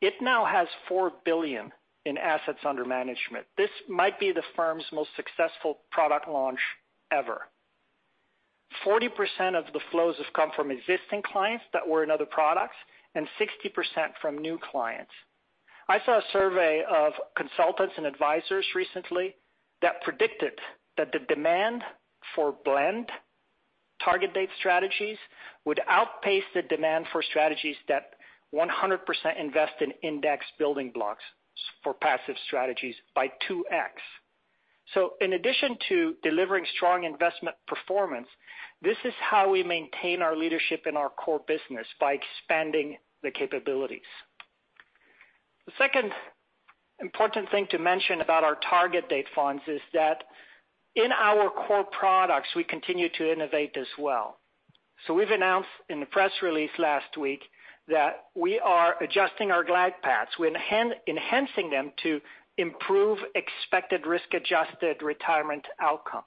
It now has $4 billion in assets under management. This might be the firm's most successful product launch ever. 40% of the flows have come from existing clients that were in other products, and 60% from new clients. I saw a survey of consultants and advisors recently that predicted that the demand for blend target date strategies would outpace the demand for strategies that 100% invest in index building blocks for passive strategies by 2x. In addition to delivering strong investment performance, this is how we maintain our leadership in our core business, by expanding the capabilities. The second important thing to mention about our Target Date Funds is that in our core products, we continue to innovate as well. We've announced in the press release last week that we are adjusting our glide paths. We're enhancing them to improve expected risk-adjusted retirement outcomes.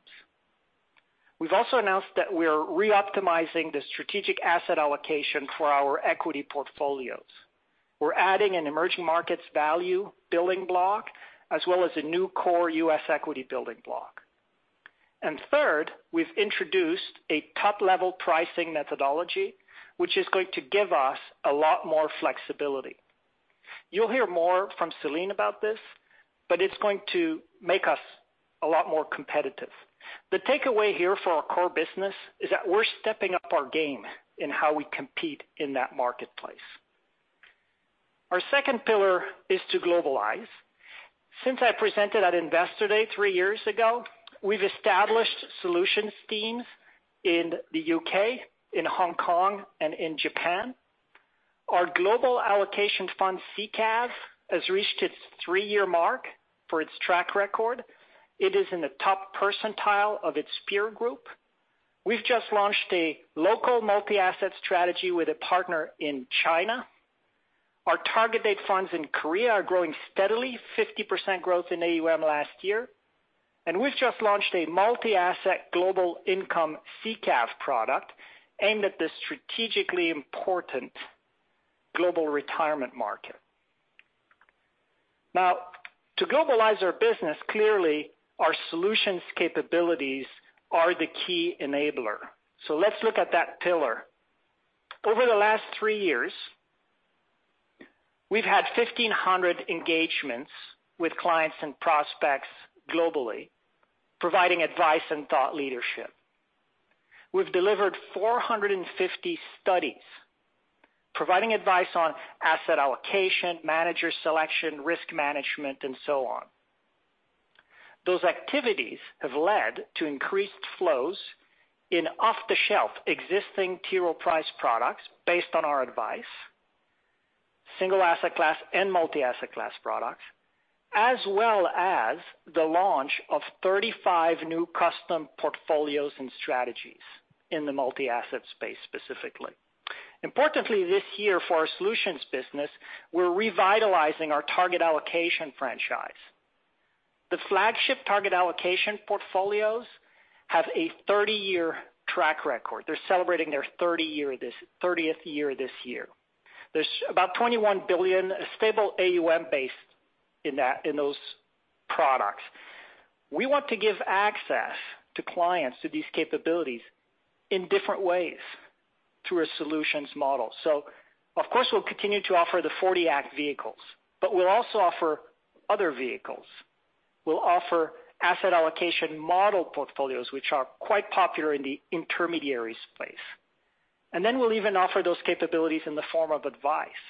We've also announced that we're re-optimizing the strategic asset allocation for our equity portfolios. We're adding an Emerging Markets value building block, as well as a new core U.S. equity building block. Third, we've introduced a top-level pricing methodology, which is going to give us a lot more flexibility. You'll hear more from Céline about this, but it's going to make us a lot more competitive. The takeaway here for our core business is that we're stepping up our game in how we compete in that marketplace. Our second pillar is to globalize. Since I presented at Investor Day three years ago, we've established solutions teams in the U.K., in Hong Kong, and in Japan. Our Global Allocation Fund, SICAV, has reached its three-year mark for its track record. It is in the top percentile of its peer group. We've just launched a local multi-asset strategy with a partner in China. Our Target Date Funds in Korea are growing steadily, 50% growth in AUM last year. We've just launched a Multi-Asset Global Income SICAV product aimed at the strategically important global retirement market. To globalize our business, clearly, our solutions capabilities are the key enabler. Let's look at that pillar. Over the last three years, we've had 1,500 engagements with clients and prospects globally, providing advice and thought leadership. We've delivered 450 studies providing advice on asset allocation, manager selection, risk management, and so on. Those activities have led to increased flows in off-the-shelf existing T. Rowe Price products based on our advice, single asset class and multi-asset class products, as well as the launch of 35 new custom portfolios and strategies in the multi-asset space specifically. Importantly, this year for our solutions business, we're revitalizing our target allocation franchise. The flagship target allocation portfolios have a 30-year track record. They're celebrating their 30th year this year. There's about $21 billion stable AUM base in those products. We want to give access to clients to these capabilities in different ways through a solutions model. Of course, we'll continue to offer the 1940 Act vehicles, but we'll also offer other vehicles. We'll offer asset allocation model portfolios, which are quite popular in the intermediaries space. We'll even offer those capabilities in the form of advice.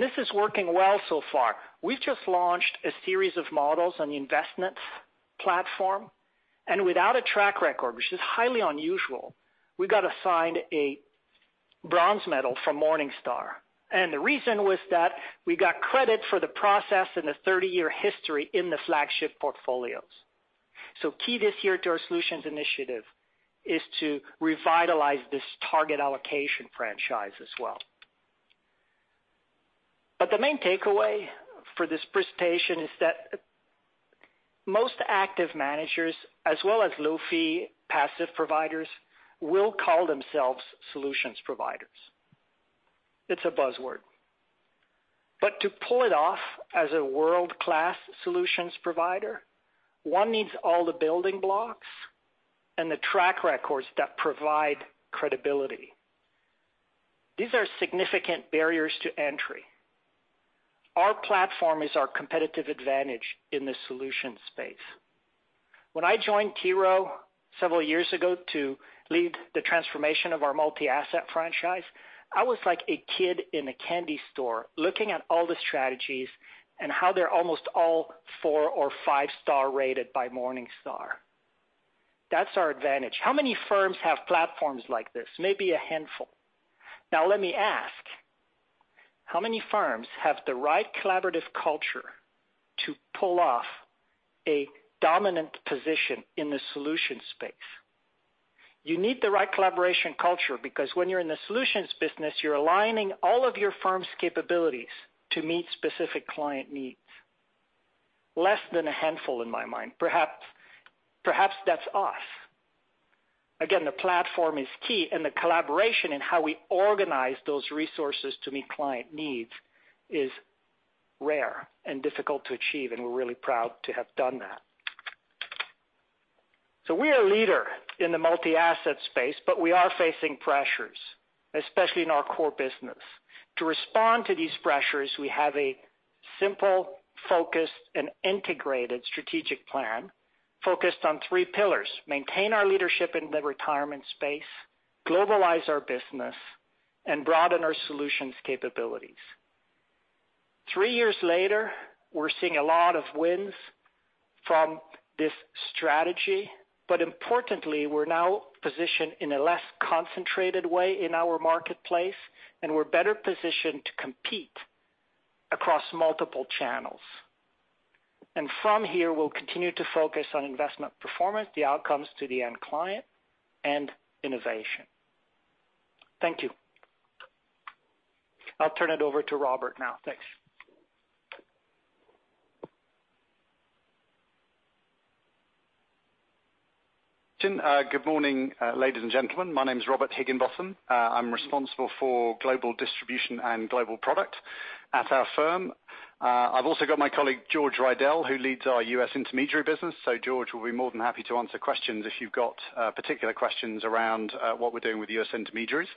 This is working well so far. We've just launched a series of models on the investments platform. Without a track record, which is highly unusual, we got assigned a bronze medal from Morningstar. The reason was that we got credit for the process and the 30-year history in the flagship portfolios. Key this year to our solutions initiative is to revitalize this target allocation franchise as well. The main takeaway for this presentation is that most active managers, as well as low-fee passive providers, will call themselves solutions providers. It's a buzzword. To pull it off as a world-class solutions provider, one needs all the building blocks and the track records that provide credibility. These are significant barriers to entry. Our platform is our competitive advantage in the solution space. When I joined T. Rowe several years ago to lead the transformation of our multi-asset franchise, I was like a kid in a candy store looking at all the strategies and how they're almost all four or five-star rated by Morningstar. That's our advantage. How many firms have platforms like this? Maybe a handful. Let me ask, how many firms have the right collaborative culture to pull off a dominant position in the solution space? You need the right collaboration culture because when you're in the solutions business, you're aligning all of your firm's capabilities to meet specific client needs. Less than a handful in my mind. Perhaps that's us. The platform is key, and the collaboration in how we organize those resources to meet client needs is rare and difficult to achieve, and we're really proud to have done that. We are a leader in the multi-asset space, but we are facing pressures, especially in our core business. To respond to these pressures, we have a simple, focused, and integrated strategic plan focused on three pillars, maintain our leadership in the retirement space, globalize our business, and broaden our solutions capabilities. Three years later, we're seeing a lot of wins from this strategy. Importantly, we're now positioned in a less concentrated way in our marketplace, and we're better positioned to compete across multiple channels. From here, we'll continue to focus on investment performance, the outcomes to the end client, and innovation. Thank you. I'll turn it over to Robert now. Thanks. Good morning, ladies and gentlemen. My name is Robert Higginbotham. I'm responsible for global distribution and global product at our firm. I've also got my colleague, George Riedel, who leads our U.S. intermediary business. George will be more than happy to answer questions if you've got particular questions around what we're doing with U.S. intermediaries.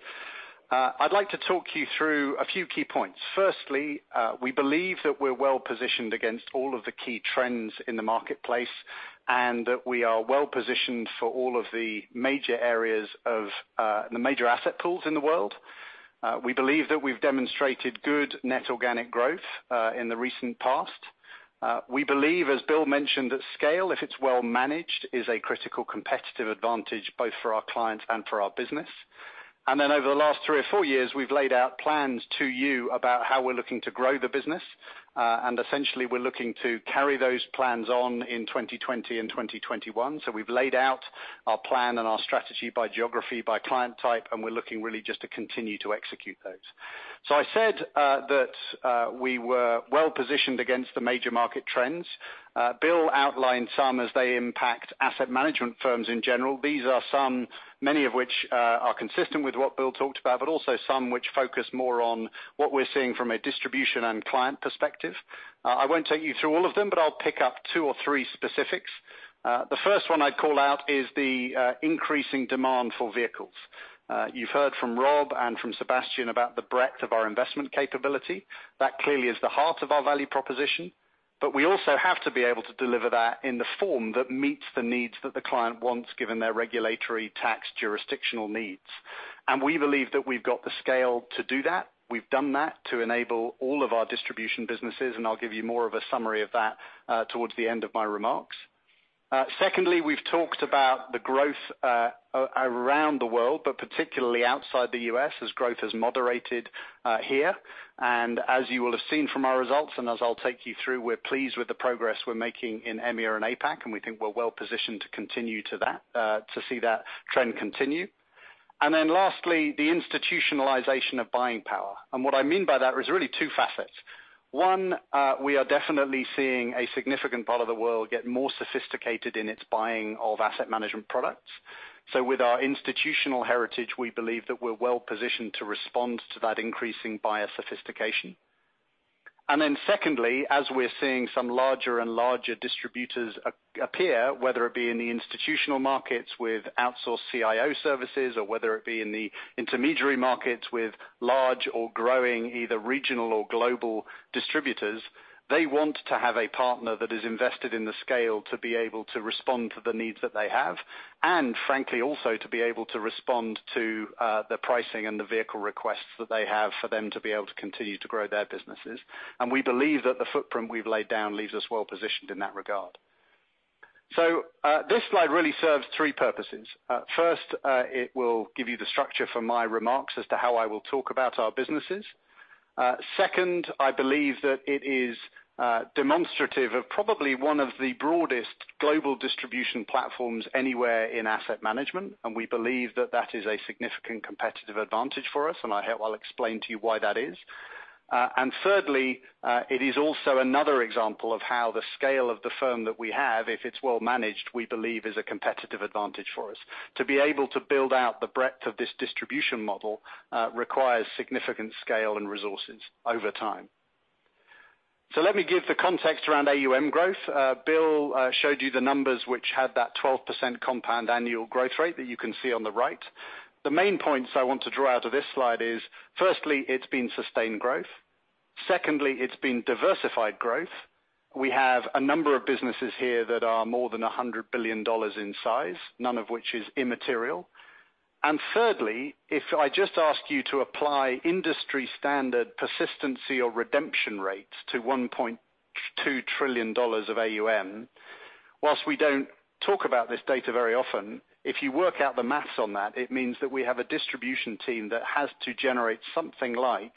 I'd like to talk you through a few key points. Firstly, we believe that we're well-positioned against all of the key trends in the marketplace, and that we are well-positioned for all of the major asset pools in the world. We believe that we've demonstrated good net organic growth in the recent past. We believe, as Bill mentioned, that scale, if it's well managed, is a critical competitive advantage both for our clients and for our business. Over the last three or four years, we've laid out plans to you about how we're looking to grow the business. Essentially, we're looking to carry those plans on in 2020 and 2021. We've laid out our plan and our strategy by geography, by client type, and we're looking really just to continue to execute those. I said that we were well-positioned against the major market trends. Bill outlined some as they impact asset management firms in general. These are some, many of which are consistent with what Bill talked about, but also some which focus more on what we're seeing from a distribution and client perspective. I won't take you through all of them, but I'll pick up two or three specifics. The first one I'd call out is the increasing demand for vehicles. You've heard from Rob and from Sébastien about the breadth of our investment capability. That clearly is the heart of our value proposition. We also have to be able to deliver that in the form that meets the needs that the client wants given their regulatory tax jurisdictional needs. We believe that we've got the scale to do that. We've done that to enable all of our distribution businesses, and I'll give you more of a summary of that towards the end of my remarks. Secondly, we've talked about the growth around the world, but particularly outside the U.S., as growth has moderated here. As you will have seen from our results, and as I'll take you through, we're pleased with the progress we're making in EMEA and APAC, and we think we're well positioned to see that trend continue. Then lastly, the institutionalization of buying power. What I mean by that is really two facets. One, we are definitely seeing a significant part of the world get more sophisticated in its buying of asset management products. With our institutional heritage, we believe that we're well-positioned to respond to that increasing buyer sophistication. Secondly, as we're seeing some larger and larger distributors appear, whether it be in the institutional markets with outsourced CIO services or whether it be in the intermediary markets with large or growing, either regional or global distributors, they want to have a partner that is invested in the scale to be able to respond to the needs that they have, and frankly, also to be able to respond to the pricing and the vehicle requests that they have for them to be able to continue to grow their businesses. We believe that the footprint we’ve laid down leaves us well-positioned in that regard. This slide really serves three purposes. First, it will give you the structure for my remarks as to how I will talk about our businesses. Second, I believe that it is demonstrative of probably one of the broadest global distribution platforms anywhere in asset management, and we believe that that is a significant competitive advantage for us, and I’ll explain to you why that is. Thirdly, it is also another example of how the scale of the firm that we have, if it’s well managed, we believe is a competitive advantage for us. To be able to build out the breadth of this distribution model, requires significant scale and resources over time. Let me give the context around AUM growth. Bill showed you the numbers which had that 12% compound annual growth rate that you can see on the right. The main points I want to draw out of this slide is, firstly, it's been sustained growth. Secondly, it's been diversified growth. We have a number of businesses here that are more than $100 billion in size, none of which is immaterial. Thirdly, if I just ask you to apply industry standard persistency or redemption rates to $1.2 trillion of AUM, whilst we don't talk about this data very often, if you work out the math on that, it means that we have a distribution team that has to generate something like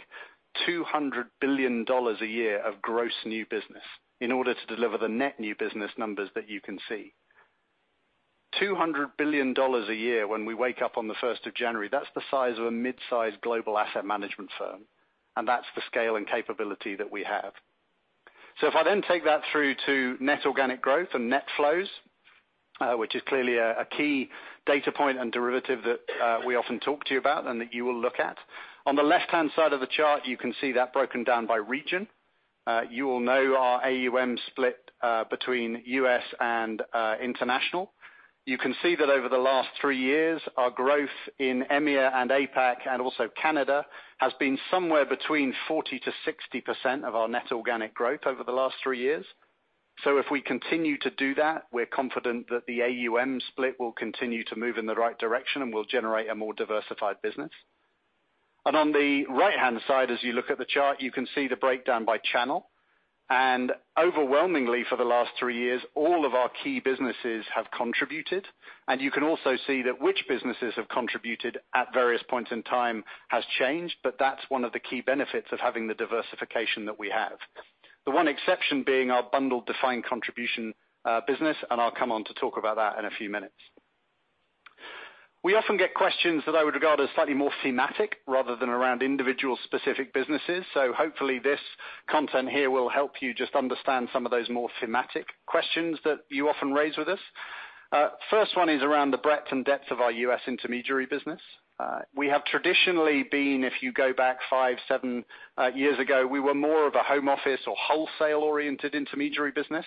$200 billion a year of gross new business in order to deliver the net new business numbers that you can see. $200 billion a year when we wake up on the 1st of January, that's the size of a mid-size global asset management firm, and that's the scale and capability that we have. If I then take that through to net organic growth and net flows, which is clearly a key data point and derivative that we often talk to you about and that you will look at. On the left-hand side of the chart, you can see that broken down by region. You will know our AUM split between U.S. and international. You can see that over the last three years, our growth in EMEA and APAC and also Canada, has been somewhere between 40%-60% of our net organic growth over the last three years. If we continue to do that, we're confident that the AUM split will continue to move in the right direction and will generate a more diversified business. On the right-hand side, as you look at the chart, you can see the breakdown by channel. Overwhelmingly for the last three years, all of our key businesses have contributed, and you can also see that which businesses have contributed at various points in time has changed, but that's one of the key benefits of having the diversification that we have. The one exception being our bundled defined contribution business, and I'll come on to talk about that in a few minutes. We often get questions that I would regard as slightly more thematic rather than around individual specific businesses, so hopefully this content here will help you just understand some of those more thematic questions that you often raise with us. First one is around the breadth and depth of our U.S. intermediary business. We have traditionally been, if you go back five, seven years ago, we were more of a home office or wholesale-oriented intermediary business.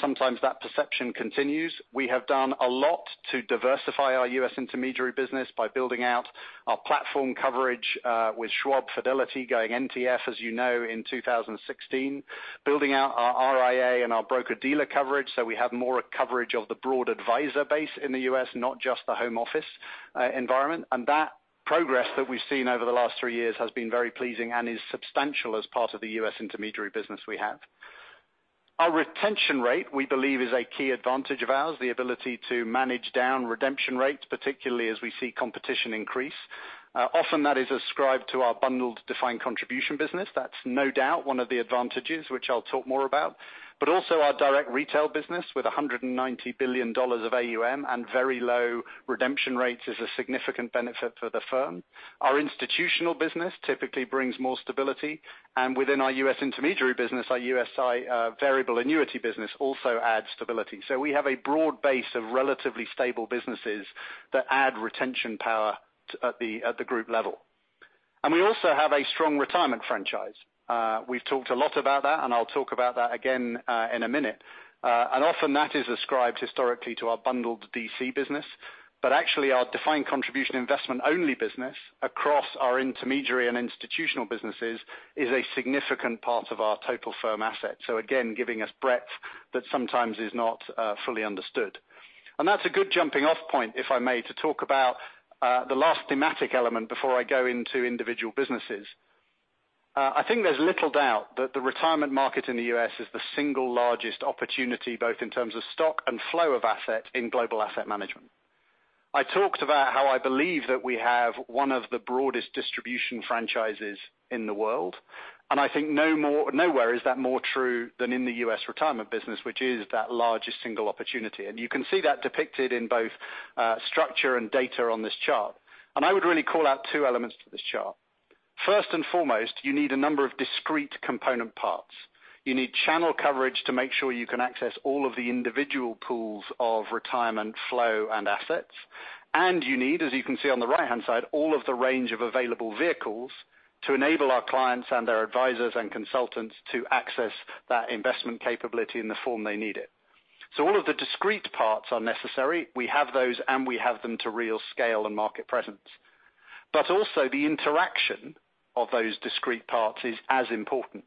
Sometimes that perception continues. We have done a lot to diversify our U.S. intermediary business by building out our platform coverage, with Schwab, Fidelity going NTF, as you know, in 2016. Building out our RIA and our broker-dealer coverage, so we have more coverage of the broad advisor base in the U.S., not just the home office environment. That progress that we've seen over the last three years has been very pleasing and is substantial as part of the U.S. intermediary business we have. Our retention rate, we believe, is a key advantage of ours, the ability to manage down redemption rates, particularly as we see competition increase. Often that is ascribed to our bundled defined contribution business. That's no doubt one of the advantages which I'll talk more about. Also our direct retail business with $190 billion of AUM and very low redemption rates is a significant benefit for the firm. Our institutional business typically brings more stability, and within our U.S. intermediary business, our USI variable annuity business also adds stability. We have a broad base of relatively stable businesses that add retention power at the group level. We also have a strong retirement franchise. We've talked a lot about that. I'll talk about that again in a minute. Often that is ascribed historically to our bundled DC business, but actually our defined contribution investment only business across our intermediary and institutional businesses is a significant part of our total firm asset. Again, giving us breadth that sometimes is not fully understood. That's a good jumping off point, if I may, to talk about the last thematic element before I go into individual businesses. I think there's little doubt that the retirement market in the U.S. is the single largest opportunity, both in terms of stock and flow of asset in global asset management. I talked about how I believe that we have one of the broadest distribution franchises in the world. I think nowhere is that more true than in the U.S. retirement business, which is that largest single opportunity. You can see that depicted in both structure and data on this chart. I would really call out two elements to this chart. First and foremost, you need a number of discrete component parts. You need channel coverage to make sure you can access all of the individual pools of retirement flow and assets. You need, as you can see on the right-hand side, all of the range of available vehicles to enable our clients and their advisors and consultants to access that investment capability in the form they need it. All of the discrete parts are necessary. We have those, and we have them to real scale and market presence. Also the interaction of those discrete parts is as important.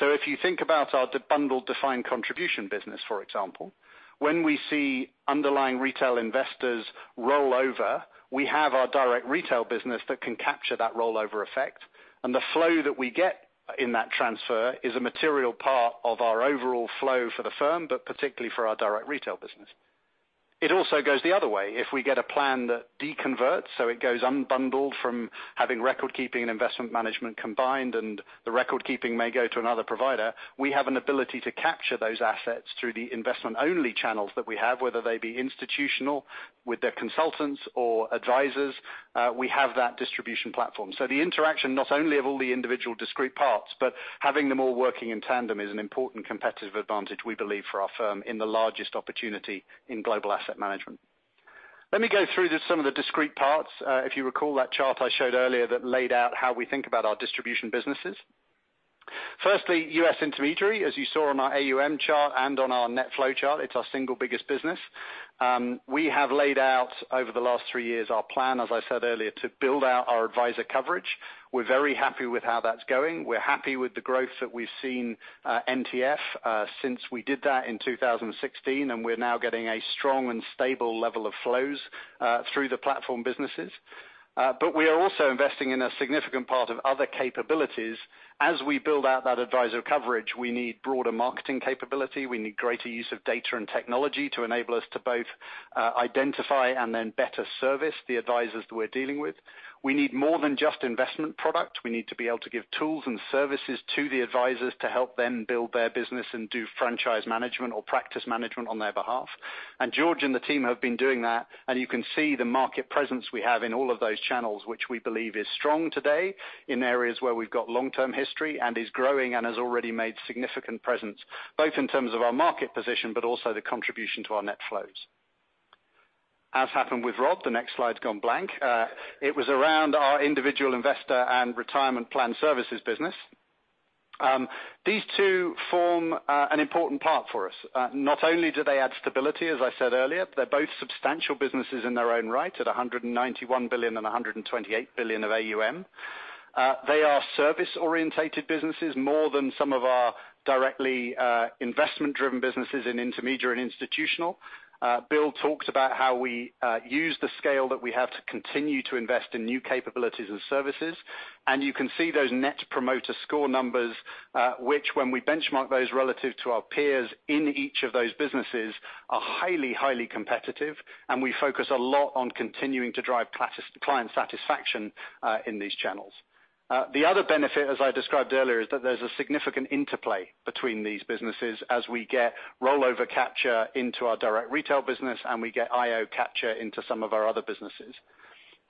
If you think about our bundled defined contribution business, for example, when we see underlying retail investors roll over, we have our direct retail business that can capture that rollover effect. The flow that we get in that transfer is a material part of our overall flow for the firm, but particularly for our direct retail business. It also goes the other way. If we get a plan that deconvert, it goes unbundled from having record-keeping and investment management combined, and the record keeping may go to another provider, we have an ability to capture those assets through the investment-only channels that we have, whether they be institutional with their consultants or advisors, we have that distribution platform. The interaction, not only of all the individual discrete parts, but having them all working in tandem is an important competitive advantage, we believe, for our firm in the largest opportunity in global asset management. Let me go through just some of the discrete parts. If you recall that chart I showed earlier that laid out how we think about our distribution businesses. Firstly, U.S. intermediary, as you saw on our AUM chart and on our net flow chart, it's our single biggest business. We have laid out over the last three years our plan, as I said earlier, to build out our advisor coverage. We're very happy with how that's going. We're happy with the growth that we've seen NTF since we did that in 2016, and we're now getting a strong and stable level of flows through the platform businesses. We are also investing in a significant part of other capabilities. As we build out that advisor coverage, we need broader marketing capability. We need greater use of data and technology to enable us to both identify and then better service the advisors that we're dealing with. We need more than just investment product. We need to be able to give tools and services to the advisors to help them build their business and do franchise management or practice management on their behalf. George and the team have been doing that, and you can see the market presence we have in all of those channels, which we believe is strong today in areas where we've got long-term history and is growing and has already made significant presence, both in terms of our market position, but also the contribution to our net flows. As happened with Rob, the next slide's gone blank. It was around our individual investor and retirement plan services business. These two form an important part for us. Not only do they add stability, as I said earlier, but they're both substantial businesses in their own right at $191 billion and $128 billion of AUM. They are service-oriented businesses more than some of our directly investment-driven businesses in intermediary and institutional. Bill talked about how we use the scale that we have to continue to invest in new capabilities and services. You can see those net promoter score numbers, which when we benchmark those relative to our peers in each of those businesses, are highly competitive, and we focus a lot on continuing to drive client satisfaction in these channels. The other benefit, as I described earlier, is that there's a significant interplay between these businesses as we get rollover capture into our direct retail business and we get IO capture into some of our other businesses.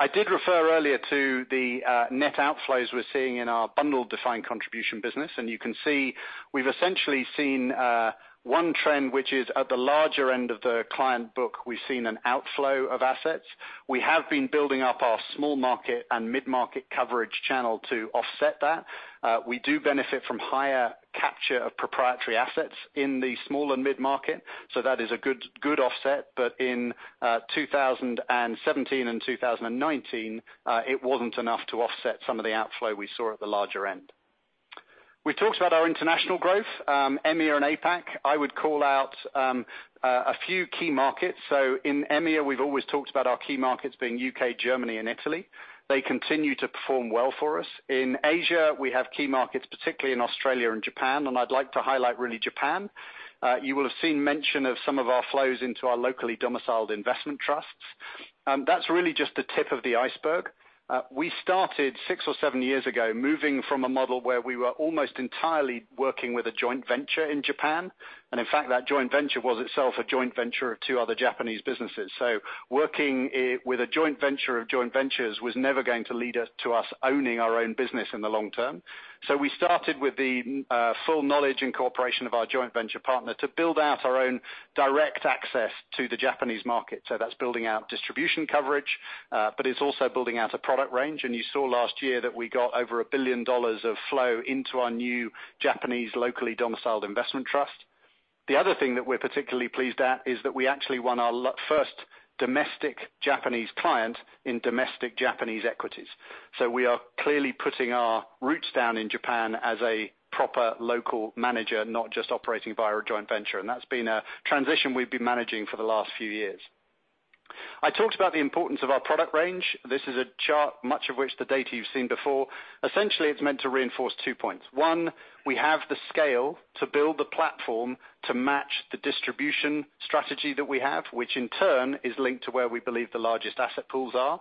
I did refer earlier to the net outflows we're seeing in our bundled defined contribution business. You can see we've essentially seen one trend, which is at the larger end of the client book, we've seen an outflow of assets. We have been building up our small market and mid-market coverage channel to offset that. We do benefit from higher capture of proprietary assets in the small and mid-market, that is a good offset. In 2017 and 2019, it wasn't enough to offset some of the outflow we saw at the larger end. We talked about our international growth, EMEA and APAC. I would call out a few key markets. In EMEA, we've always talked about our key markets being U.K., Germany and Italy. They continue to perform well for us. In Asia, we have key markets, particularly in Australia and Japan, and I'd like to highlight really Japan. You will have seen mention of some of our flows into our locally domiciled investment trusts. That's really just the tip of the iceberg. We started six or seven years ago, moving from a model where we were almost entirely working with a joint venture in Japan. In fact, that joint venture was itself a joint venture of two other Japanese businesses. Working with a joint venture of joint ventures was never going to lead to us owning our own business in the long term. We started with the full knowledge and cooperation of our joint venture partner to build out our own direct access to the Japanese market. That's building out distribution coverage, but it's also building out a product range. You saw last year that we got over a billion dollars of flow into our new Japanese locally domiciled investment trust. The other thing that we're particularly pleased at is that we actually won our first domestic Japanese client in domestic Japanese equities. We are clearly putting our roots down in Japan as a proper local manager, not just operating via a joint venture. That's been a transition we've been managing for the last few years. I talked about the importance of our product range. This is a chart, much of which the data you've seen before. Essentially, it's meant to reinforce two points. We have the scale to build the platform to match the distribution strategy that we have, which in turn is linked to where we believe the largest asset pools are.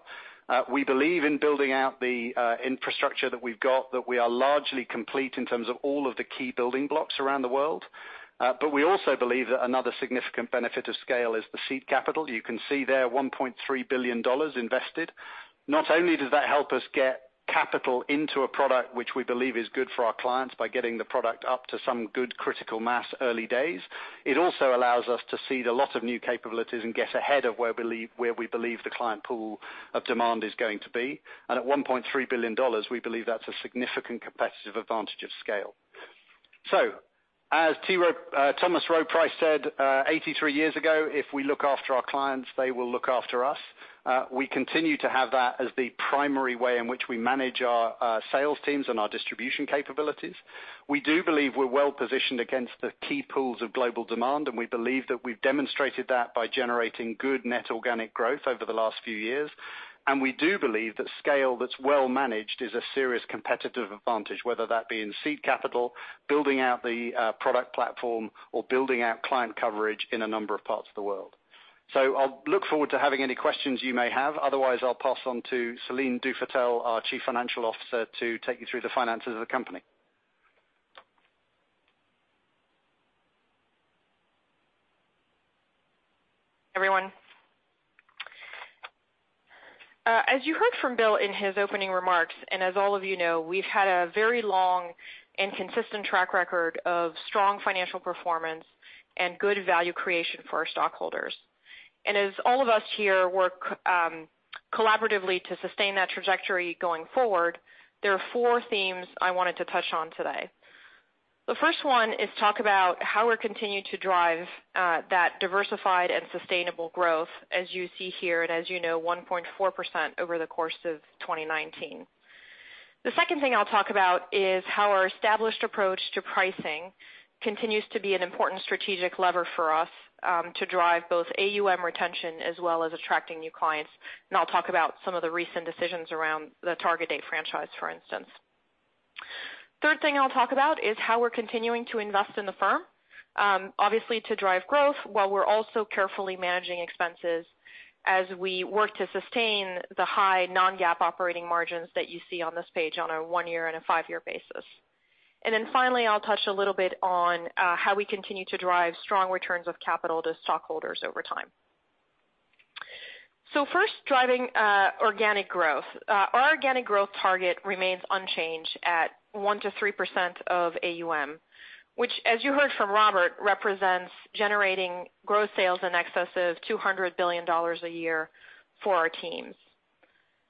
We believe in building out the infrastructure that we've got, that we are largely complete in terms of all of the key building blocks around the world. We also believe that another significant benefit of scale is the seed capital. You can see there, $1.3 billion invested. Not only does that help us get capital into a product, which we believe is good for our clients by getting the product up to some good critical mass early days, it also allows us to seed a lot of new capabilities and get ahead of where we believe the client pool of demand is going to be. At $1.3 billion, we believe that's a significant competitive advantage of scale. As Thomas Rowe Price said 83 years ago, if we look after our clients, they will look after us. We continue to have that as the primary way in which we manage our sales teams and our distribution capabilities. We do believe we're well-positioned against the key pools of global demand, and we believe that we've demonstrated that by generating good net organic growth over the last few years. We do believe that scale that's well managed is a serious competitive advantage, whether that be in seed capital, building out the product platform, or building out client coverage in a number of parts of the world. I'll look forward to having any questions you may have. Otherwise, I'll pass on to Céline Dufétel, our Chief Financial Officer, to take you through the finances of the company. Everyone. As you heard from Bill in his opening remarks, as all of you know, we've had a very long and consistent track record of strong financial performance and good value creation for our stockholders. As all of us here work collaboratively to sustain that trajectory going forward, there are four themes I wanted to touch on today. The first one is talk about how we continue to drive that diversified and sustainable growth, as you see here, and as you know, 1.4% over the course of 2019. The second thing I'll talk about is how our established approach to pricing continues to be an important strategic lever for us to drive both AUM retention as well as attracting new clients. I'll talk about some of the recent decisions around the target date franchise, for instance. Third thing I'll talk about is how we're continuing to invest in the firm, obviously to drive growth while we're also carefully managing expenses as we work to sustain the high non-GAAP operating margins that you see on this page on a one-year and a five-year basis. Finally, I'll touch a little bit on how we continue to drive strong returns of capital to stockholders over time. First, driving organic growth. Our organic growth target remains unchanged at 1%-3% of AUM, which as you heard from Robert, represents generating growth sales in excess of $200 billion a year for our teams.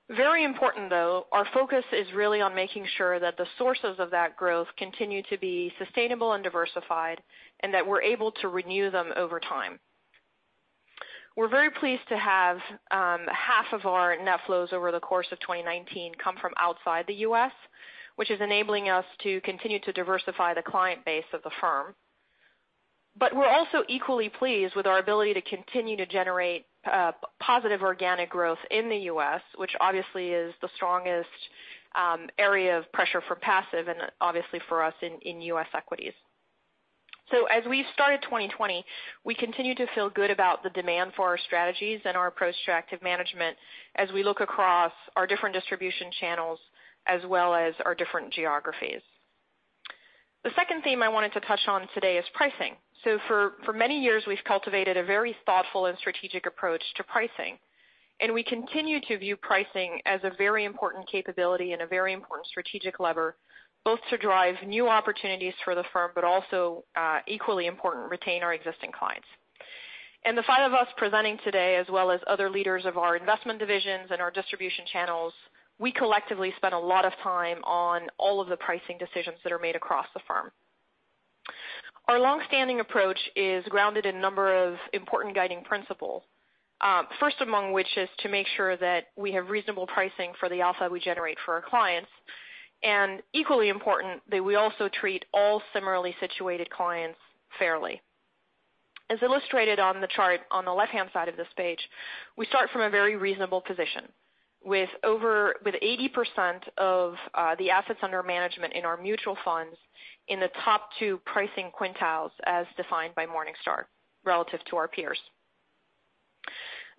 Very important, though, our focus is really on making sure that the sources of that growth continue to be sustainable and diversified, and that we're able to renew them over time. We're very pleased to have half of our net flows over the course of 2019 come from outside the U.S., which is enabling us to continue to diversify the client base of the firm. We're also equally pleased with our ability to continue to generate positive organic growth in the U.S., which obviously is the strongest area of pressure for passive and obviously for us in U.S. equities. As we started 2020, we continue to feel good about the demand for our strategies and our approach to active management as we look across our different distribution channels as well as our different geographies. The second theme I wanted to touch on today is pricing. For many years, we've cultivated a very thoughtful and strategic approach to pricing, and we continue to view pricing as a very important capability and a very important strategic lever, both to drive new opportunities for the firm, but also, equally important, retain our existing clients. The five of us presenting today, as well as other leaders of our investment divisions and our distribution channels, we collectively spend a lot of time on all of the pricing decisions that are made across the firm. Our longstanding approach is grounded in a number of important guiding principle. First among which is to make sure that we have reasonable pricing for the alpha we generate for our clients, and equally important, that we also treat all similarly situated clients fairly. As illustrated on the chart on the left-hand side of this page, we start from a very reasonable position with 80% of the assets under management in our mutual funds in the top two pricing quintiles as defined by Morningstar relative to our peers.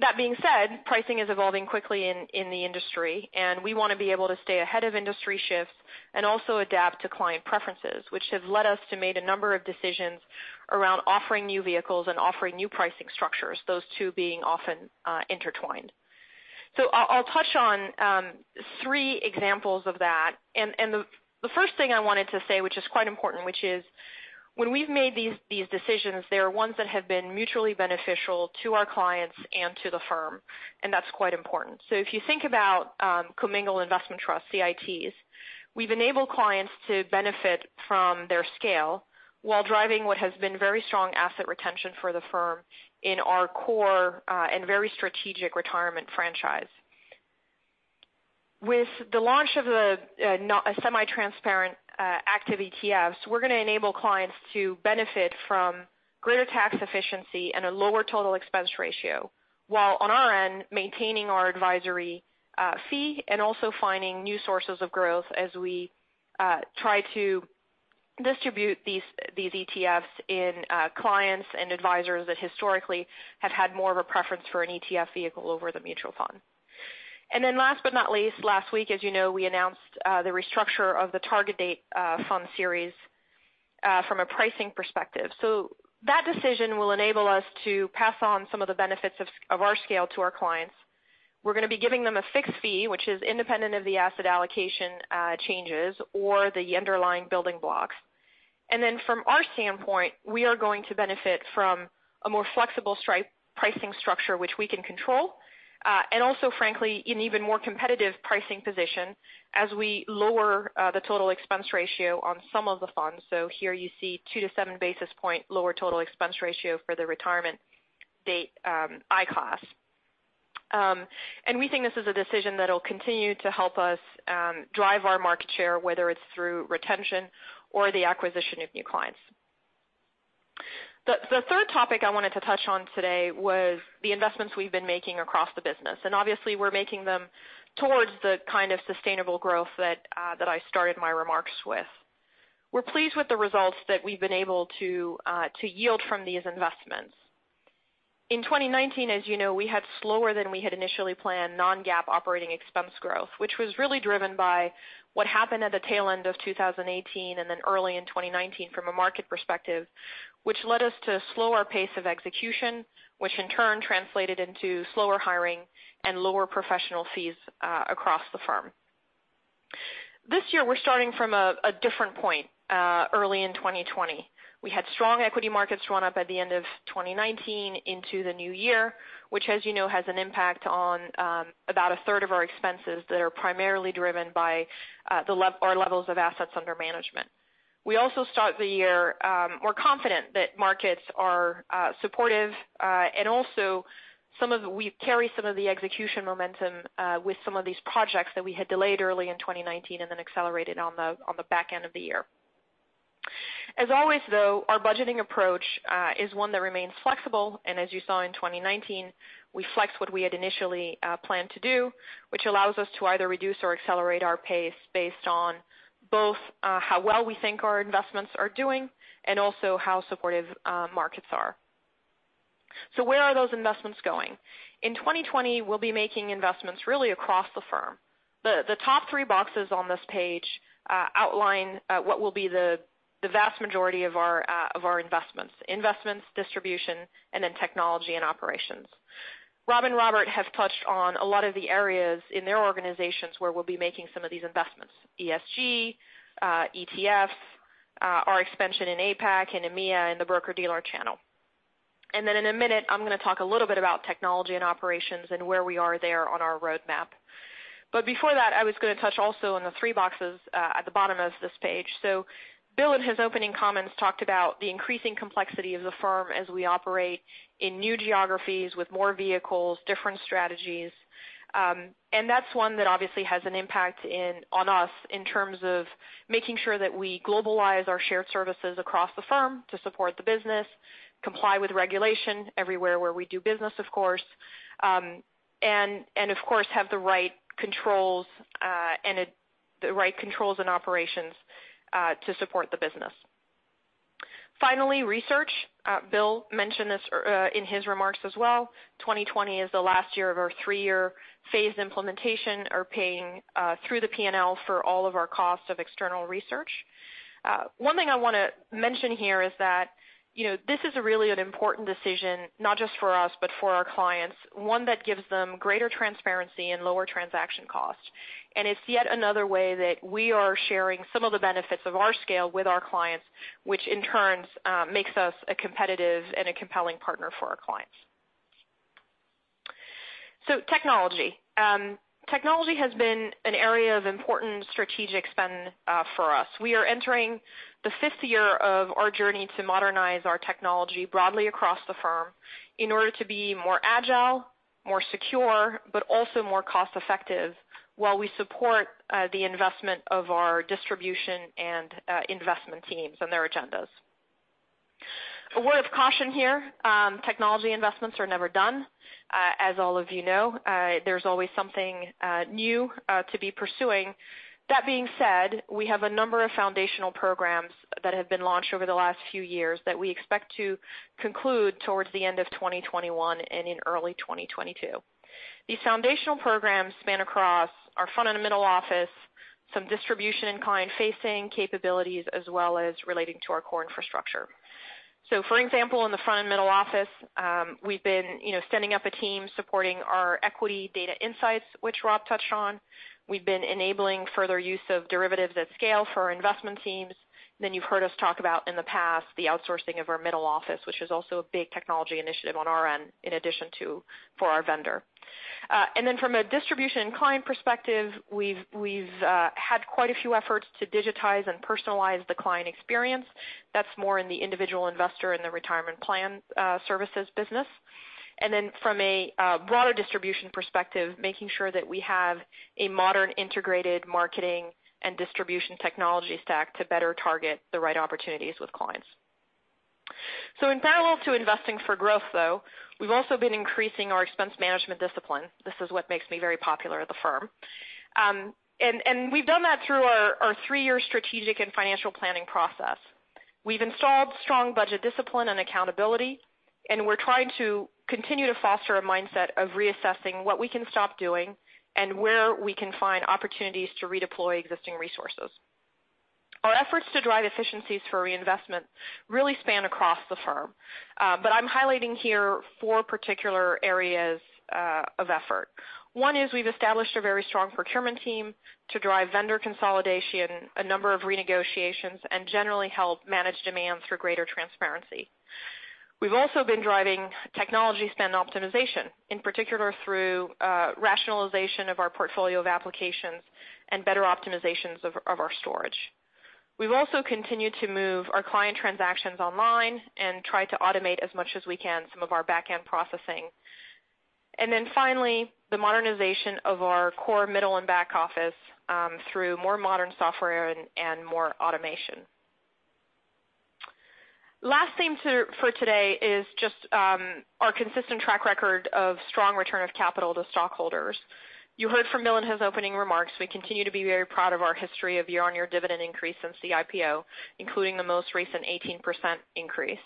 That being said, pricing is evolving quickly in the industry, and we want to be able to stay ahead of industry shifts and also adapt to client preferences, which have led us to make a number of decisions around offering new vehicles and offering new pricing structures, those two being often intertwined. I'll touch on three examples of that. The first thing I wanted to say, which is quite important, which is when we've made these decisions, they are ones that have been mutually beneficial to our clients and to the firm, and that's quite important. If you think about commingled investment trusts, the CITs, we've enabled clients to benefit from their scale while driving what has been very strong asset retention for the firm in our core and very strategic retirement franchise. With the launch of the semi-transparent active ETFs, we're going to enable clients to benefit from greater tax efficiency and a lower total expense ratio, while on our end, maintaining our advisory fee and also finding new sources of growth as we try to distribute these ETFs in clients and advisors that historically have had more of a preference for an ETF vehicle over the mutual fund. Last but not least, last week, as you know, we announced the restructure of the Target Date Fund Series from a pricing perspective. That decision will enable us to pass on some of the benefits of our scale to our clients. We're going to be giving them a fixed fee, which is independent of the asset allocation changes or the underlying building blocks. From our standpoint, we are going to benefit from a more flexible pricing structure which we can control. Also, frankly, an even more competitive pricing position as we lower the total expense ratio on some of the funds. Here you see 2-7 basis point lower total expense ratio for the retirement date I Class. We think this is a decision that'll continue to help us drive our market share, whether it's through retention or the acquisition of new clients. The third topic I wanted to touch on today was the investments we've been making across the business, and obviously, we're making them towards the kind of sustainable growth that I started my remarks with. We're pleased with the results that we've been able to yield from these investments. In 2019, as you know, we had slower than we had initially planned non-GAAP operating expense growth, which was really driven by what happened at the tail end of 2018 and then early in 2019 from a market perspective, which led us to a slower pace of execution, which in turn translated into slower hiring and lower professional fees across the firm. This year, we're starting from a different point early in 2020. We had strong equity markets run up at the end of 2019 into the new year, which, as you know, has an impact on about a third of our expenses that are primarily driven by our levels of assets under management. We also start the year more confident that markets are supportive. Also, we carry some of the execution momentum with some of these projects that we had delayed early in 2019 and then accelerated on the back end of the year. As always, though, our budgeting approach is one that remains flexible, and as you saw in 2019, we flexed what we had initially planned to do, which allows us to either reduce or accelerate our pace based on both how well we think our investments are doing and also how supportive markets are. Where are those investments going? In 2020, we'll be making investments really across the firm. The top three boxes on this page outline what will be the vast majority of our investments. Investments, distribution, and then technology and operations. Rob and Robert have touched on a lot of the areas in their organizations where we'll be making some of these investments, ESG, ETFs, our expansion in APAC and EMEA, and the broker-dealer channel. In a minute, I'm going to talk a little bit about technology and operations and where we are there on our roadmap. Before that, I was going to touch also on the three boxes at the bottom of this page. Bill, in his opening comments, talked about the increasing complexity of the firm as we operate in new geographies with more vehicles, different strategies. That's one that obviously has an impact on us in terms of making sure that we globalize our shared services across the firm to support the business, comply with regulation everywhere where we do business, of course. Of course, have the right controls and operations to support the business. Finally, research. Bill mentioned this in his remarks as well. 2020 is the last year of our three-year phased implementation or paying through the P&L for all of our costs of external research. One thing I want to mention here is that this is really an important decision, not just for us, but for our clients, one that gives them greater transparency and lower transaction costs. It's yet another way that we are sharing some of the benefits of our scale with our clients, which in turn makes us a competitive and a compelling partner for our clients. Technology. Technology has been an area of important strategic spend for us. We are entering the fifth year of our journey to modernize our technology broadly across the firm in order to be more agile, more secure, but also more cost-effective while we support the investment of our distribution and investment teams and their agendas. A word of caution here. Technology investments are never done. As all of you know, there's always something new to be pursuing. That being said, we have a number of foundational programs that have been launched over the last few years that we expect to conclude towards the end of 2021 and in early 2022. These foundational programs span across our front and middle office, some distribution and client-facing capabilities, as well as relating to our core infrastructure. For example, in the front and middle office, we've been setting up a team supporting our equity data insights, which Rob touched on. We've been enabling further use of derivatives at scale for our investment teams. You've heard us talk about in the past, the outsourcing of our middle office, which is also a big technology initiative on our end, in addition to for our vendor. From a distribution client perspective, we've had quite a few efforts to digitize and personalize the client experience. That's more in the individual investor and the retirement plan services business. From a broader distribution perspective, making sure that we have a modern integrated marketing and distribution technology stack to better target the right opportunities with clients. In parallel to investing for growth, though, we've also been increasing our expense management discipline. This is what makes me very popular at the firm. We've done that through our three-year strategic and financial planning process. We've installed strong budget discipline and accountability. We're trying to continue to foster a mindset of reassessing what we can stop doing and where we can find opportunities to redeploy existing resources. Our efforts to drive efficiencies for reinvestment really span across the firm. I'm highlighting here four particular areas of effort. One is we've established a very strong procurement team to drive vendor consolidation, a number of renegotiations, and generally help manage demand through greater transparency. We've also been driving technology spend optimization, in particular through rationalization of our portfolio of applications and better optimizations of our storage. We've also continued to move our client transactions online and try to automate as much as we can some of our back-end processing. Finally, the modernization of our core middle and back office through more modern software and more automation. Last thing for today is just our consistent track record of strong return of capital to stockholders. You heard from Bill in his opening remarks, we continue to be very proud of our history of year-on-year dividend increase since the IPO, including the most recent 18% increase.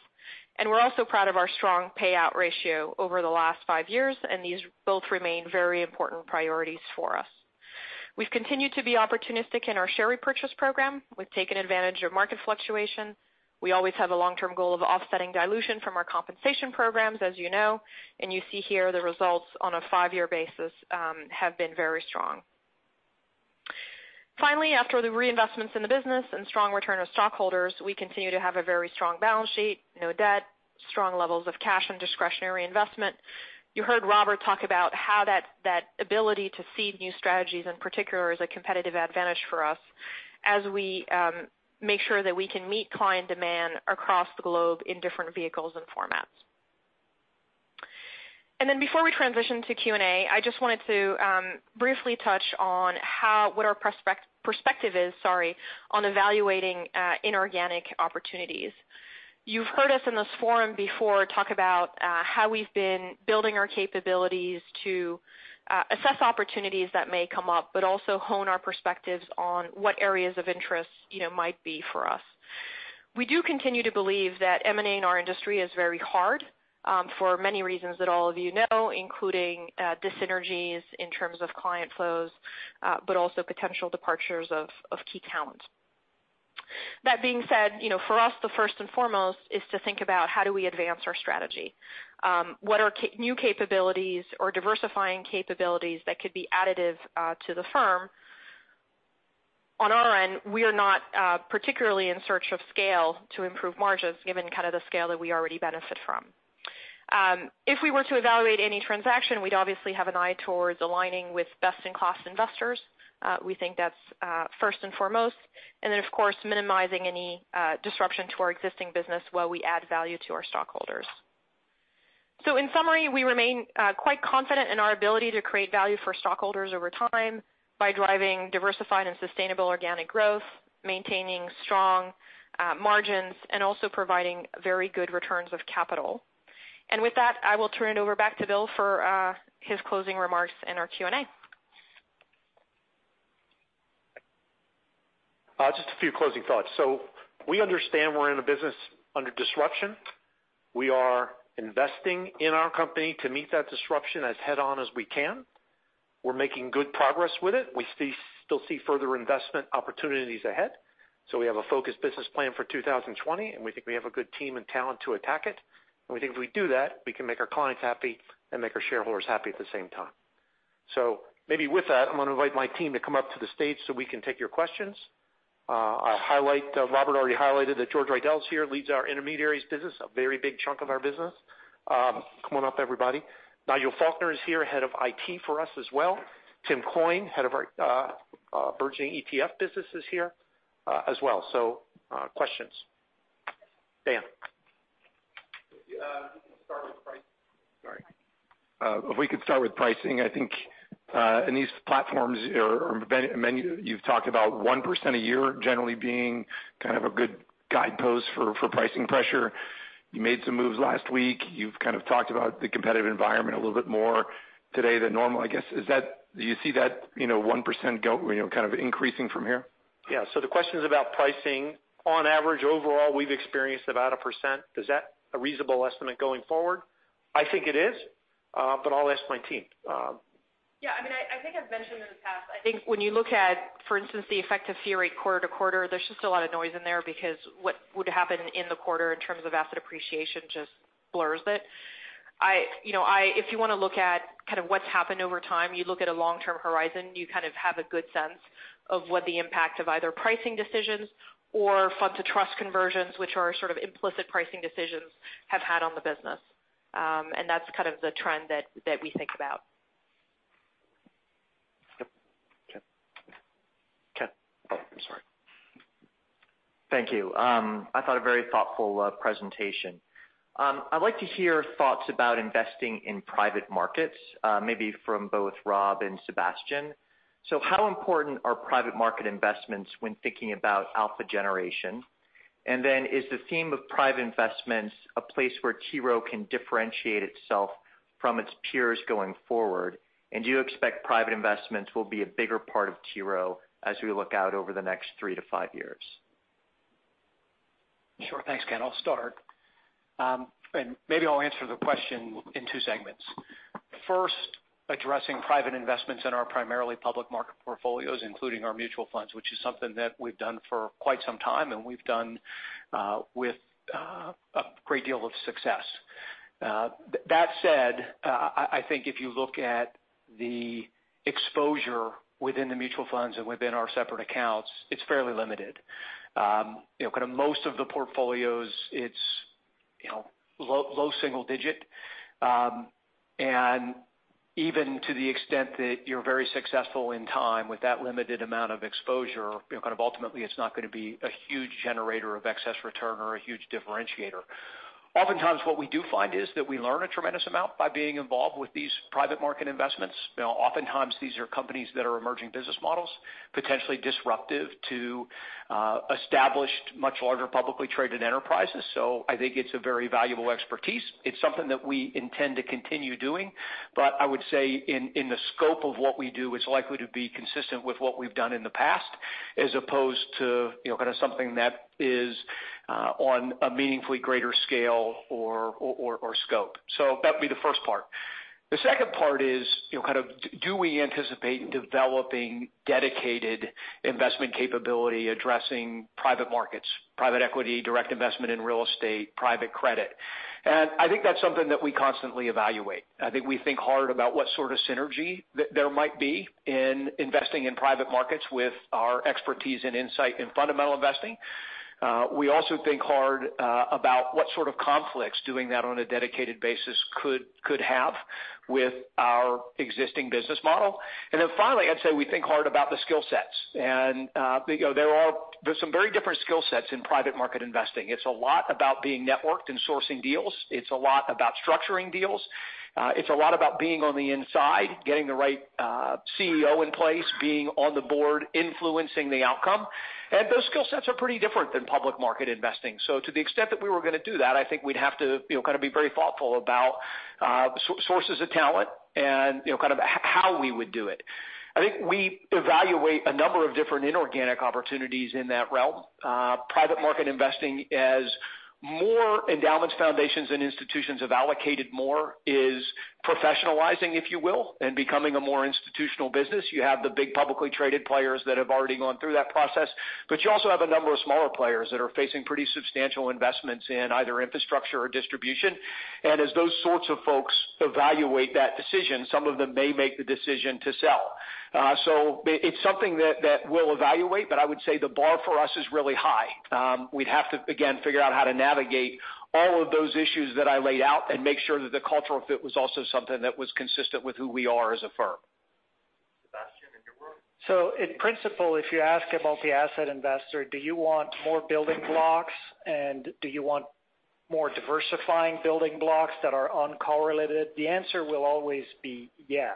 We're also proud of our strong payout ratio over the last five years, and these both remain very important priorities for us. We've continued to be opportunistic in our share repurchase program. We've taken advantage of market fluctuation. We always have a long-term goal of offsetting dilution from our compensation programs, as you know, and you see here the results on a five-year basis have been very strong. Finally, after the reinvestments in the business and strong return of stockholders, we continue to have a very strong balance sheet, no debt, strong levels of cash and discretionary investment. You heard Robert talk about how that ability to seed new strategies in particular is a competitive advantage for us as we make sure that we can meet client demand across the globe in different vehicles and formats. Before we transition to Q&A, I just wanted to briefly touch on what our perspective is on evaluating inorganic opportunities. You've heard us in this forum before talk about how we've been building our capabilities to assess opportunities that may come up, but also hone our perspectives on what areas of interest might be for us. We do continue to believe that M&A in our industry is very hard for many reasons that all of you know, including dyssynergies in terms of client flows, but also potential departures of key talent. That being said, for us, the first and foremost is to think about how do we advance our strategy. What are new capabilities or diversifying capabilities that could be additive to the firm? On our end, we are not particularly in search of scale to improve margins given the scale that we already benefit from. If we were to evaluate any transaction, we'd obviously have an eye towards aligning with best-in-class investors. We think that's first and foremost. Then, of course, minimizing any disruption to our existing business while we add value to our stockholders. In summary, we remain quite confident in our ability to create value for stockholders over time by driving diversified and sustainable organic growth, maintaining strong margins, and also providing very good returns of capital. With that, I will turn it over back to Bill for his closing remarks and our Q&A. Just a few closing thoughts. We understand we're in a business under disruption. We are investing in our company to meet that disruption as head-on as we can. We're making good progress with it. We still see further investment opportunities ahead. We have a focused business plan for 2020, and we think we have a good team and talent to attack it. We think if we do that, we can make our clients happy and make our shareholders happy at the same time. Maybe with that, I'm going to invite my team to come up to the stage so we can take your questions. Robert already highlighted that George Riedel's here, leads our intermediaries business, a very big chunk of our business. Come on up, everybody. Nigel Faulkner is here, Head of IT for us as well. Tim Coyne, Head of our burgeoning ETF business is here as well. Questions. Dan. Sorry. If we could start with pricing, I think in these platforms, you've talked about 1% a year generally being kind of a good guidepost for pricing pressure. You made some moves last week. You've talked about the competitive environment a little bit more today than normal, I guess. Do you see that 1% kind of increasing from here? Yeah. The question's about pricing. On average, overall, we've experienced about a percent. Is that a reasonable estimate going forward? I think it is, but I'll ask my team. Yeah. I think I've mentioned in the past, I think when you look at, for instance, the effective fee rate quarter-to-quarter, there's just a lot of noise in there because what would happen in the quarter in terms of asset appreciation just blurs it. If you want to look at what's happened over time, you look at a long-term horizon, you have a good sense of what the impact of either pricing decisions or fund-to-trust conversions, which are sort of implicit pricing decisions, have had on the business. That's the trend that we think about. Thank you. I thought a very thoughtful presentation. I'd like to hear thoughts about investing in private markets, maybe from both Rob and Sébastien. How important are private market investments when thinking about alpha generation? Is the theme of private investments a place where T. Rowe can differentiate itself from its peers going forward? Do you expect private investments will be a bigger part of T. Rowe as we look out over the next three to five years? Sure. Thanks, Ken. I'll start. Maybe I'll answer the question in two segments. First, addressing private investments in our primarily public market portfolios, including our mutual funds, which is something that we've done for quite some time, and we've done with a great deal of success. That said, I think if you look at the exposure within the mutual funds and within our separate accounts, it's fairly limited. Most of the portfolios, it's low single digit. Even to the extent that you're very successful in time with that limited amount of exposure, kind of ultimately, it's not going to be a huge generator of excess return or a huge differentiator. Oftentimes, what we do find is that we learn a tremendous amount by being involved with these private market investments. Oftentimes, these are companies that are emerging business models, potentially disruptive to established, much larger publicly traded enterprises. I think it's a very valuable expertise. It's something that we intend to continue doing. I would say in the scope of what we do, it's likely to be consistent with what we've done in the past, as opposed to something that is on a meaningfully greater scale or scope. That'd be the first part. The second part is, do we anticipate developing dedicated investment capability addressing private markets, private equity, direct investment in real estate, private credit? I think that's something that we constantly evaluate. I think we think hard about what sort of synergy there might be in investing in private markets with our expertise and insight in fundamental investing. We also think hard about what sort of conflicts doing that on a dedicated basis could have with our existing business model. Finally, I'd say we think hard about the skill sets. There's some very different skill sets in private market investing. It's a lot about being networked and sourcing deals. It's a lot about structuring deals. It's a lot about being on the inside, getting the right CEO in place, being on the board, influencing the outcome. Those skill sets are pretty different than public market investing. To the extent that we were going to do that, I think we'd have to be very thoughtful about sources of talent and how we would do it. I think we evaluate a number of different inorganic opportunities in that realm. Private market investing as more endowments, foundations, and institutions have allocated more is professionalizing, if you will, and becoming a more institutional business. You have the big publicly traded players that have already gone through that process, but you also have a number of smaller players that are facing pretty substantial investments in either infrastructure or distribution. As those sorts of folks evaluate that decision, some of them may make the decision to sell. It's something that we'll evaluate, but I would say the bar for us is really high. We'd have to, again, figure out how to navigate all of those issues that I laid out and make sure that the cultural fit was also something that was consistent with who we are as a firm. Sébastien. In principle, if you ask a multi-asset investor, do you want more building blocks, and do you want more diversifying building blocks that are uncorrelated, the answer will always be yes.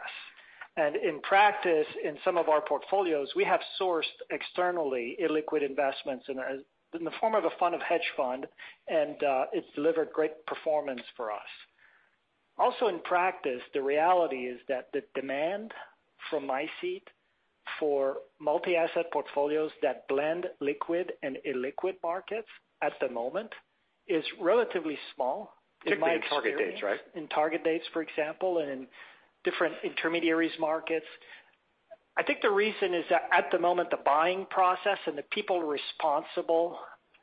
In practice, in some of our portfolios, we have sourced externally illiquid investments in the form of a fund of hedge fund, and it's delivered great performance for us. Also in practice, the reality is that the demand from my seat for multi-asset portfolios that blend liquid and illiquid markets at the moment is relatively small in my experience. target dates, right? In target dates, for example, and in different intermediaries markets. I think the reason is that at the moment, the buying process and the people responsible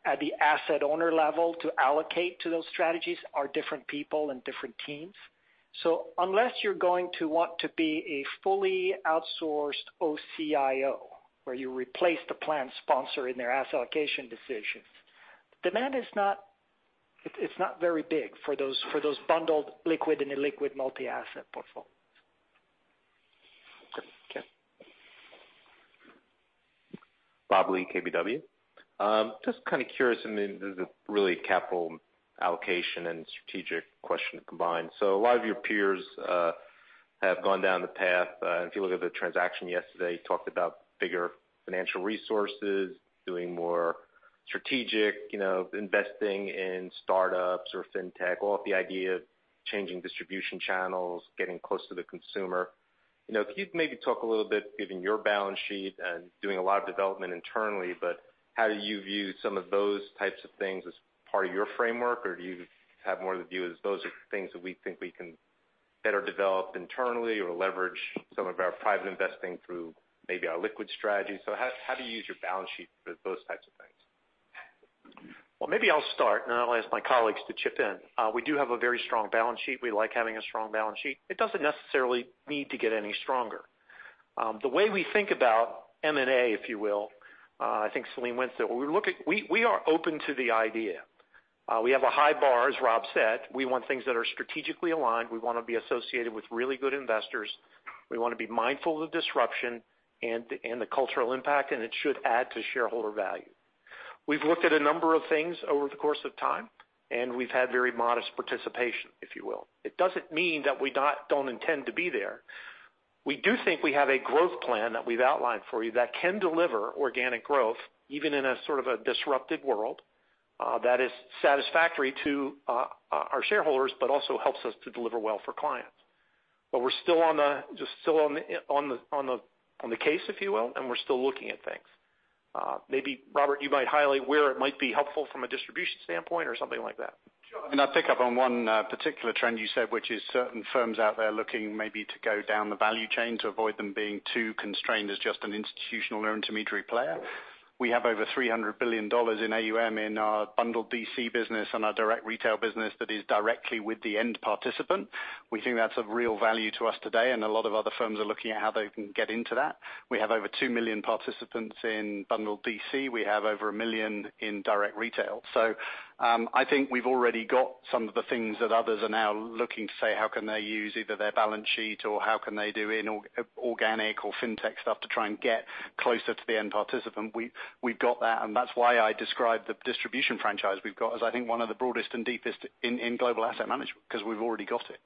at the asset owner level to allocate to those strategies are different people and different teams. Unless you're going to want to be a fully outsourced OCIO, where you replace the plan sponsor in their asset allocation decisions, demand is not very big for those bundled liquid and illiquid multi-asset portfolios. Okay. Rob Lee, KBW. Just kind of curious, I mean, this is really capital allocation and strategic question combined. A lot of your peers have gone down the path. If you look at the transaction yesterday, talked about bigger financial resources, doing more strategic investing in startups or fintech, all of the idea of changing distribution channels, getting close to the consumer. Can you maybe talk a little bit, given your balance sheet and doing a lot of development internally, but how do you view some of those types of things as part of your framework? Do you have more of the view as those are things that we think we can better develop internally or leverage some of our private investing through maybe our liquid strategy? How do you use your balance sheet for those types of things? Well, maybe I'll start, and then I'll ask my colleagues to chip in. We do have a very strong balance sheet. We like having a strong balance sheet. It doesn't necessarily need to get any stronger. The way we think about M&A, if you will, I think Céline went through it. We are open to the idea. We have a high bar, as Rob said. We want things that are strategically aligned. We want to be associated with really good investors. We want to be mindful of disruption and the cultural impact. It should add to shareholder value. We've looked at a number of things over the course of time. We've had very modest participation, if you will. It doesn't mean that we don't intend to be there. We do think we have a growth plan that we've outlined for you that can deliver organic growth, even in a sort of a disrupted world, that is satisfactory to our shareholders, but also helps us to deliver well for clients. We're still on the case, if you will. We're still looking at things. Maybe, Robert, you might highlight where it might be helpful from a distribution standpoint or something like that. Sure. I mean, I'll pick up on one particular trend you said, which is certain firms out there looking maybe to go down the value chain to avoid them being too constrained as just an institutional or intermediary player. We have over $300 billion in AUM in our bundled DC business and our direct retail business that is directly with the end participant. We think that's of real value to us today. A lot of other firms are looking at how they can get into that. We have over 2 million participants in bundled DC. We have over a million in direct retail. I think we've already got some of the things that others are now looking to say, how can they use either their balance sheet or how can they do inorganic or fintech stuff to try and get closer to the end participant. We've got that, and that's why I describe the distribution franchise we've got as I think one of the broadest and deepest in global asset management, because we've already got it.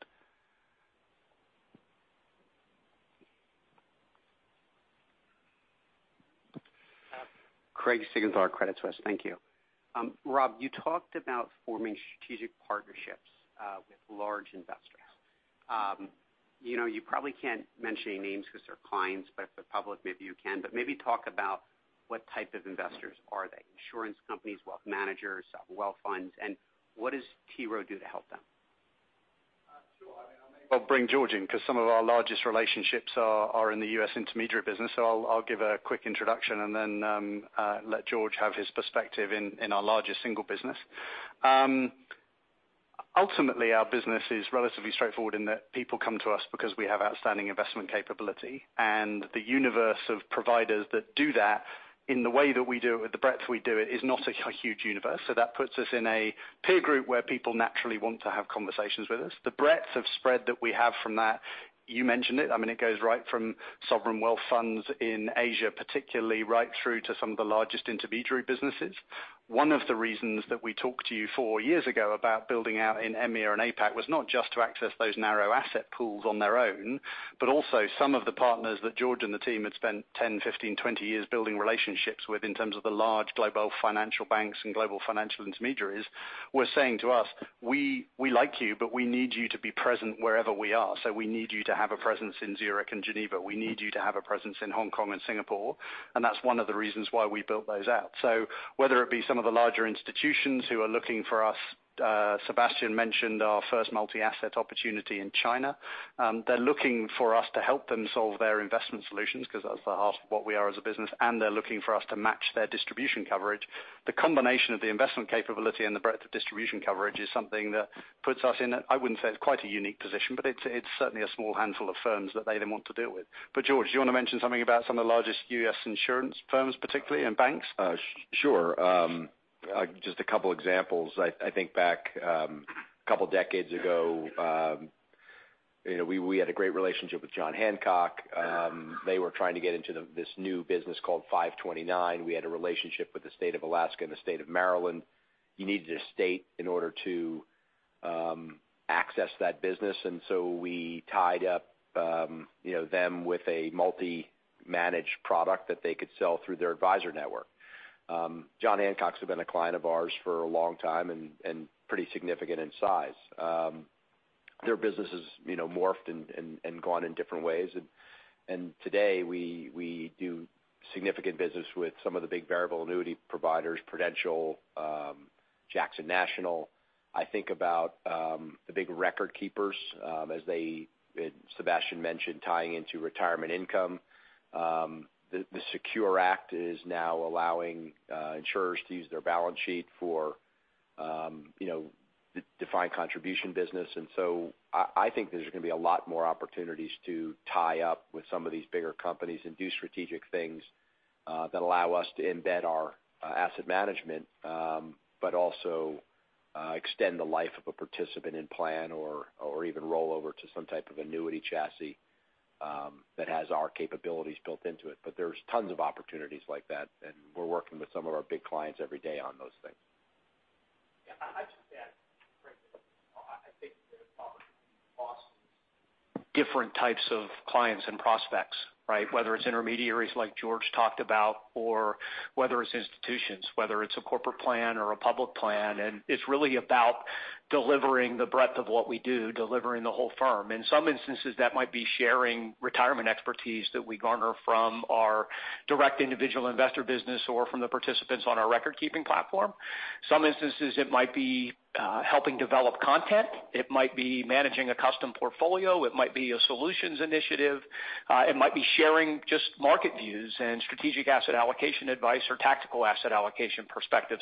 Thank you. Rob, you talked about forming strategic partnerships with large investors. You probably can't mention any names because they're clients, but for the public, maybe you can, but maybe talk about what type of investors are they. Insurance companies, wealth managers, sovereign wealth funds, and what does T. Rowe do to help them? Sure. I mean, I'll maybe I'll bring George in because some of our largest relationships are in the U.S. intermediary business. I'll give a quick introduction and then let George have his perspective in our largest single business. Ultimately, our business is relatively straightforward in that people come to us because we have outstanding investment capability. The universe of providers that do that in the way that we do it, with the breadth we do it, is not a huge universe. That puts us in a peer group where people naturally want to have conversations with us. The breadth of spread that we have from that, you mentioned it. I mean, it goes right from sovereign wealth funds in Asia, particularly right through to some of the largest intermediary businesses. One of the reasons that we talked to you four years ago about building out in EMEA and APAC was not just to access those narrow asset pools on their own, but also some of the partners that George and the team had spent 10, 15, 20 years building relationships with in terms of the large global financial banks and global financial intermediaries were saying to us, we like you, but we need you to be present wherever we are. We need you to have a presence in Zürich and Geneva. We need you to have a presence in Hong Kong and Singapore. That's one of the reasons why we built those out. Whether it be some of the larger institutions who are looking for us, Sébastien mentioned our first multi-asset opportunity in China. They're looking for us to help them solve their investment solutions because that's the heart of what we are as a business, and they're looking for us to match their distribution coverage. The combination of the investment capability and the breadth of distribution coverage is something that puts us in a, I wouldn't say it's quite a unique position, but it's certainly a small handful of firms that they then want to deal with. George, do you want to mention something about some of the largest U.S. insurance firms, particularly, and banks? Sure. Just a couple examples. I think back a couple decades ago, we had a great relationship with John Hancock. They were trying to get into this new business called 529. We had a relationship with the state of Alaska and the state of Maryland. You needed a state in order to access that business, we tied up them with a multi-managed product that they could sell through their advisor network. John Hancock's have been a client of ours for a long time and pretty significant in size. Their business has morphed and gone in different ways. Today, we do significant business with some of the big variable annuity providers, Prudential, Jackson National. I think about the big record keepers as they, Sébastien mentioned tying into retirement income. The SECURE Act is now allowing insurers to use their balance sheet for defined contribution business. I think there's going to be a lot more opportunities to tie up with some of these bigger companies and do strategic things that allow us to embed our asset management but also extend the life of a participant in plan or even roll over to some type of annuity chassis that has our capabilities built into it. There's tons of opportunities like that, and we're working with some of our big clients every day on those things. different types of clients and prospects, right? Whether it's intermediaries like George talked about, or whether it's institutions, whether it's a corporate plan or a public plan. It's really about delivering the breadth of what we do, delivering the whole firm. In some instances, that might be sharing retirement expertise that we garner from our direct individual investor business or from the participants on our record-keeping platform. Some instances, it might be helping develop content. It might be managing a custom portfolio. It might be a solutions initiative. It might be sharing just market views and strategic asset allocation advice or tactical asset allocation perspective.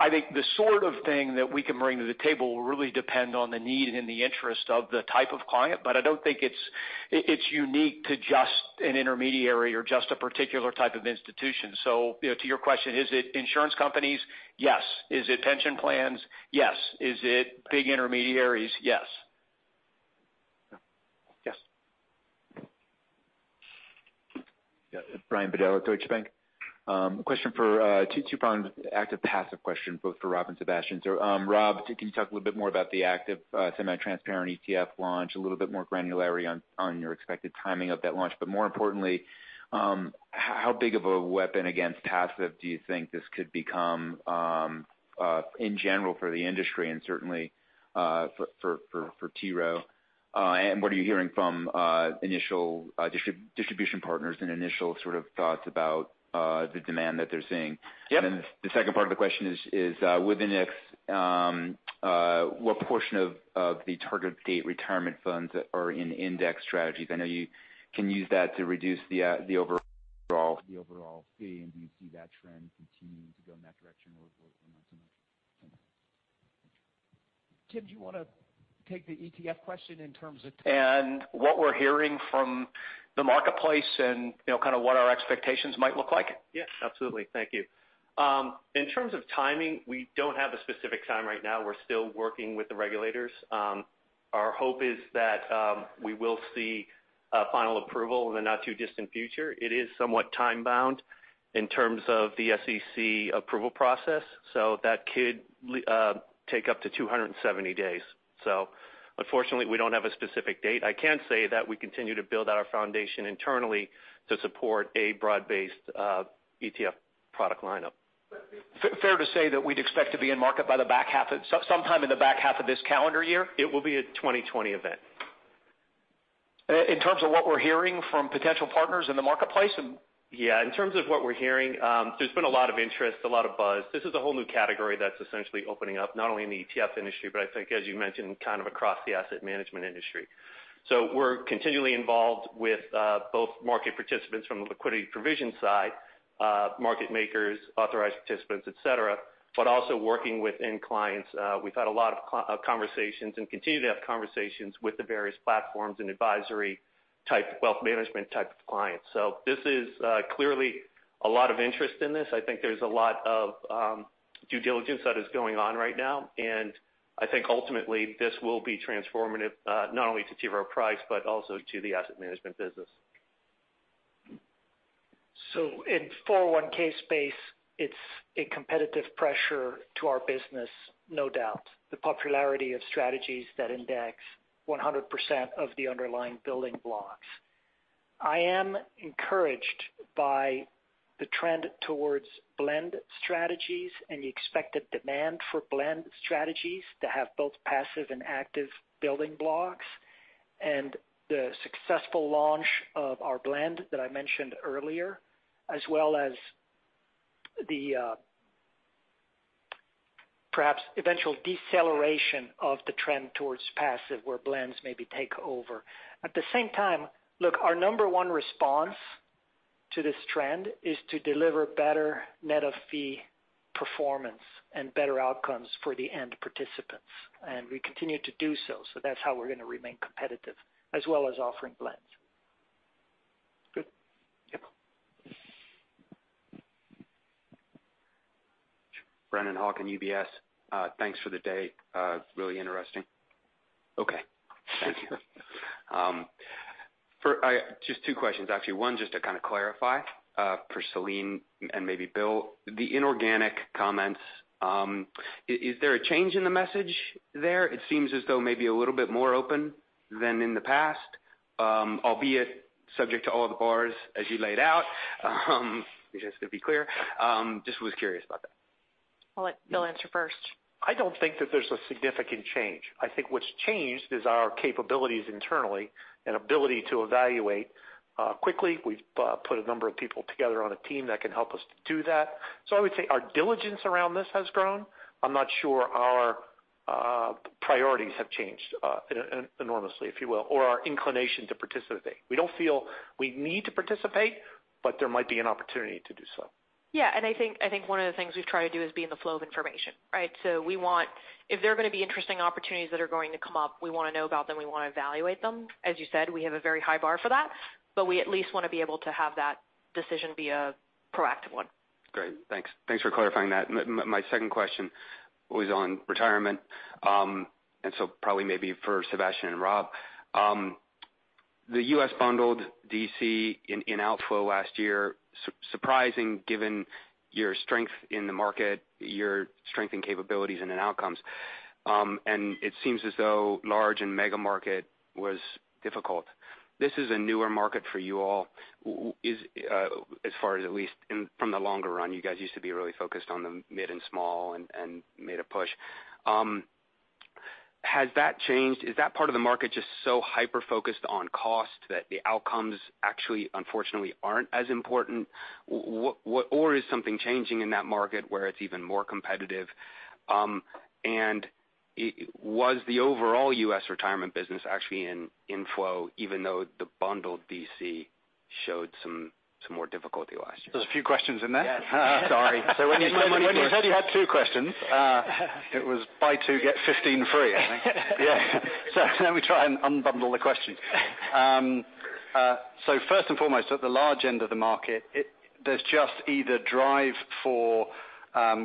I think the sort of thing that we can bring to the table will really depend on the need and the interest of the type of client. I don't think it's unique to just an intermediary or just a particular type of institution. To your question, is it insurance companies? Yes. Is it pension plans? Yes. Is it big intermediaries? Yes. Yeah, Brian Bedell, Deutsche Bank. A question for two active passive question both for Rob and Sébastien. Rob, can you talk a little bit more about the active semi-transparent ETF launch, a little bit more granularity on your expected timing of that launch, but more importantly, how big of a weapon against passive do you think this could become, in general for the industry and certainly for T. Rowe? What are you hearing from initial distribution partners and initial sort of thoughts about the demand that they're seeing? Yep. The second part of the question is, within it, what portion of the target date Retirement Funds are in index strategies? I know you can use that to reduce the overall fee. Do you see that trend continuing to go in that direction or? Tim, do you want to take the ETF question? What we're hearing from the marketplace and kind of what our expectations might look like? Yes, absolutely. Thank you. In terms of timing, we don't have a specific time right now. We're still working with the regulators. Our hope is that we will see a final approval in the not too distant future. It is somewhat time bound in terms of the SEC approval process. That could take up to 270 days. Unfortunately, we don't have a specific date. I can say that we continue to build out our foundation internally to support a broad-based ETF product lineup. Fair to say that we'd expect to be in market by sometime in the back half of this calendar year. It will be a 2020 event. In terms of what we're hearing from potential partners in the marketplace and. Yeah, in terms of what we're hearing, there's been a lot of interest, a lot of buzz. This is a whole new category that's essentially opening up not only in the ETF industry, but I think as you mentioned, kind of across the asset management industry. We're continually involved with both market participants from the liquidity provision side, market makers, authorized participants, et cetera, but also working within clients. We've had a lot of conversations and continue to have conversations with the various platforms and advisory type wealth management type of clients. This is clearly a lot of interest in this. I think there's a lot of due diligence that is going on right now, and I think ultimately this will be transformative, not only to T. Rowe Price, but also to the asset management business. In 401(k) space, it's a competitive pressure to our business, no doubt. The popularity of strategies that index 100% of the underlying building blocks, I am encouraged by the trend towards blend strategies and the expected demand for blend strategies to have both passive and active building blocks, and the successful launch of our blend that I mentioned earlier, as well as the perhaps eventual deceleration of the trend towards passive, where blends maybe take over. At the same time, look, our number one response to this trend is to deliver better net of fee performance and better outcomes for the end participants, and we continue to do so. That's how we're going to remain competitive as well as offering blends. Good. Yep. Brennan Hawken, UBS. Thanks for the day. Really interesting. Thank you. Just two questions, actually. One, just to kind of clarify, for Céline and maybe Bill, the inorganic comments, is there a change in the message there? It seems as though maybe a little bit more open than in the past, albeit subject to all the bars as you laid out. Just to be clear, just was curious about that. I'll let Bill answer first. I don't think that there's a significant change. I think what's changed is our capabilities internally and ability to evaluate quickly. We've put a number of people together on a team that can help us to do that. I would say our diligence around this has grown. I'm not sure our priorities have changed enormously, if you will, or our inclination to participate. We don't feel we need to participate, but there might be an opportunity to do so. Yeah, I think one of the things we've tried to do is be in the flow of information, right? If there are going to be interesting opportunities that are going to come up, we want to know about them. We want to evaluate them. As you said, we have a very high bar for that, but we at least want to be able to have that decision be a proactive one. Great. Thanks. Thanks for clarifying that. My second question was on retirement, probably maybe for Sébastien and Rob. The U.S. bundled DC in outflow last year, surprising given your strength in the market, your strength and capabilities and in outcomes. It seems as though large and mega market was difficult. This is a newer market for you all, as far as at least from the longer run, you guys used to be really focused on the mid and small and made a push. Has that changed? Is that part of the market just so hyper-focused on cost that the outcomes actually, unfortunately, aren't as important? Is something changing in that market where it's even more competitive? Was the overall U.S. retirement business actually in inflow even though the bundled DC showed some more difficulty last year? There's a few questions in there. Yes. Sorry. When you said you had two questions, it was buy two, get 15 free, I think. Yeah. Let me try and unbundle the questions. First and foremost, at the large end of the market, there's just either drive for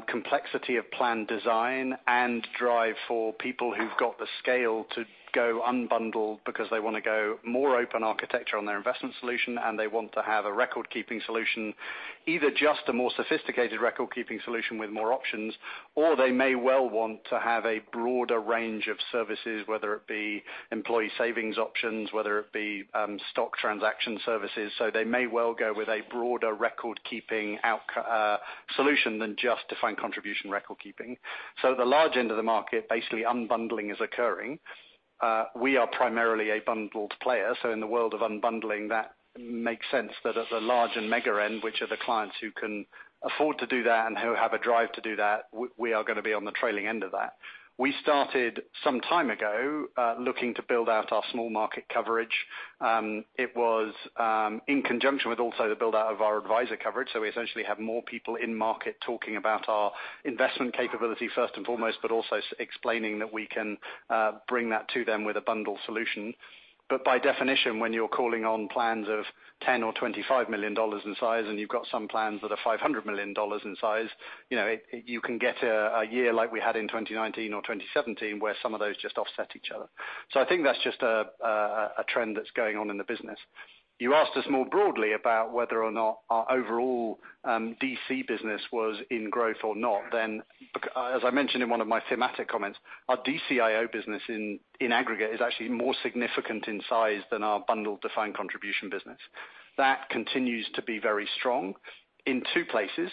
complexity of plan design and drive for people who've got the scale to go unbundled because they want to go more open architecture on their investment solution, and they want to have a record-keeping solution, either just a more sophisticated record-keeping solution with more options, or they may well want to have a broader range of services, whether it be employee savings options, whether it be stock transaction services. They may well go with a broader record-keeping solution than just defined contribution record-keeping. At the large end of the market, basically unbundling is occurring. We are primarily a bundled player. In the world of unbundling, that makes sense that at the large and mega end, which are the clients who can afford to do that and who have a drive to do that, we are going to be on the trailing end of that. We started some time ago, looking to build out our small market coverage. It was in conjunction with also the build-out of our advisor coverage. We essentially have more people in-market talking about our investment capability first and foremost, but also explaining that we can bring that to them with a bundled solution. By definition, when you're calling on plans of $10 million or $25 million in size, and you've got some plans that are $500 million in size, you can get a year like we had in 2019 or 2017 where some of those just offset each other. I think that's just a trend that's going on in the business. You asked us more broadly about whether or not our overall DC business was in growth or not. As I mentioned in one of my thematic comments, our DCIO business in aggregate is actually more significant in size than our bundled defined contribution business. That continues to be very strong in two places.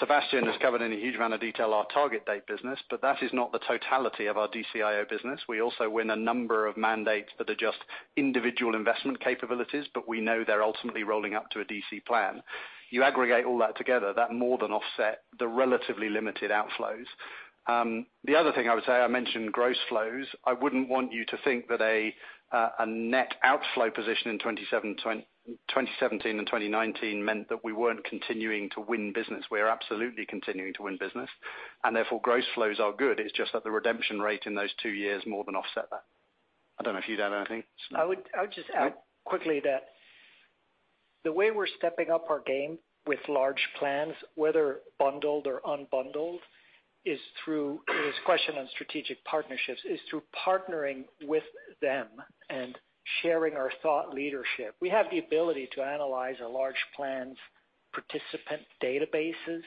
Sébastien has covered in a huge amount of detail our target date business, but that is not the totality of our DCIO business. We also win a number of mandates that are just individual investment capabilities, but we know they're ultimately rolling up to a DC plan. You aggregate all that together, that more than offset the relatively limited outflows. The other thing I would say, I mentioned gross flows. I wouldn't want you to think that a net outflow position in 2017 and 2019 meant that we weren't continuing to win business. We are absolutely continuing to win business. Therefore gross flows are good. It's just that the redemption rate in those two years more than offset that. I don't know if you'd add anything? I would just add quickly that the way we're stepping up our game with large plans, whether bundled or unbundled, is through this question on strategic partnerships, is through partnering with them and sharing our thought leadership. We have the ability to analyze a large plan's participant databases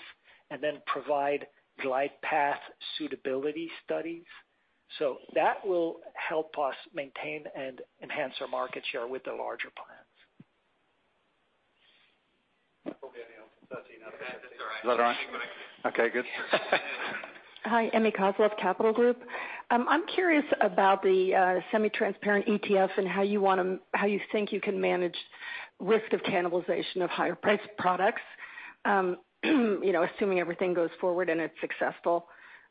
and then provide glide path suitability studies. That will help us maintain and enhance our market share with the larger plans. Okay. Good. Hi, Emme Kozloff, Capital Group. I'm curious about the semi-transparent ETF and how you think you can manage risk of cannibalization of higher priced products, assuming everything goes forward and it's successful.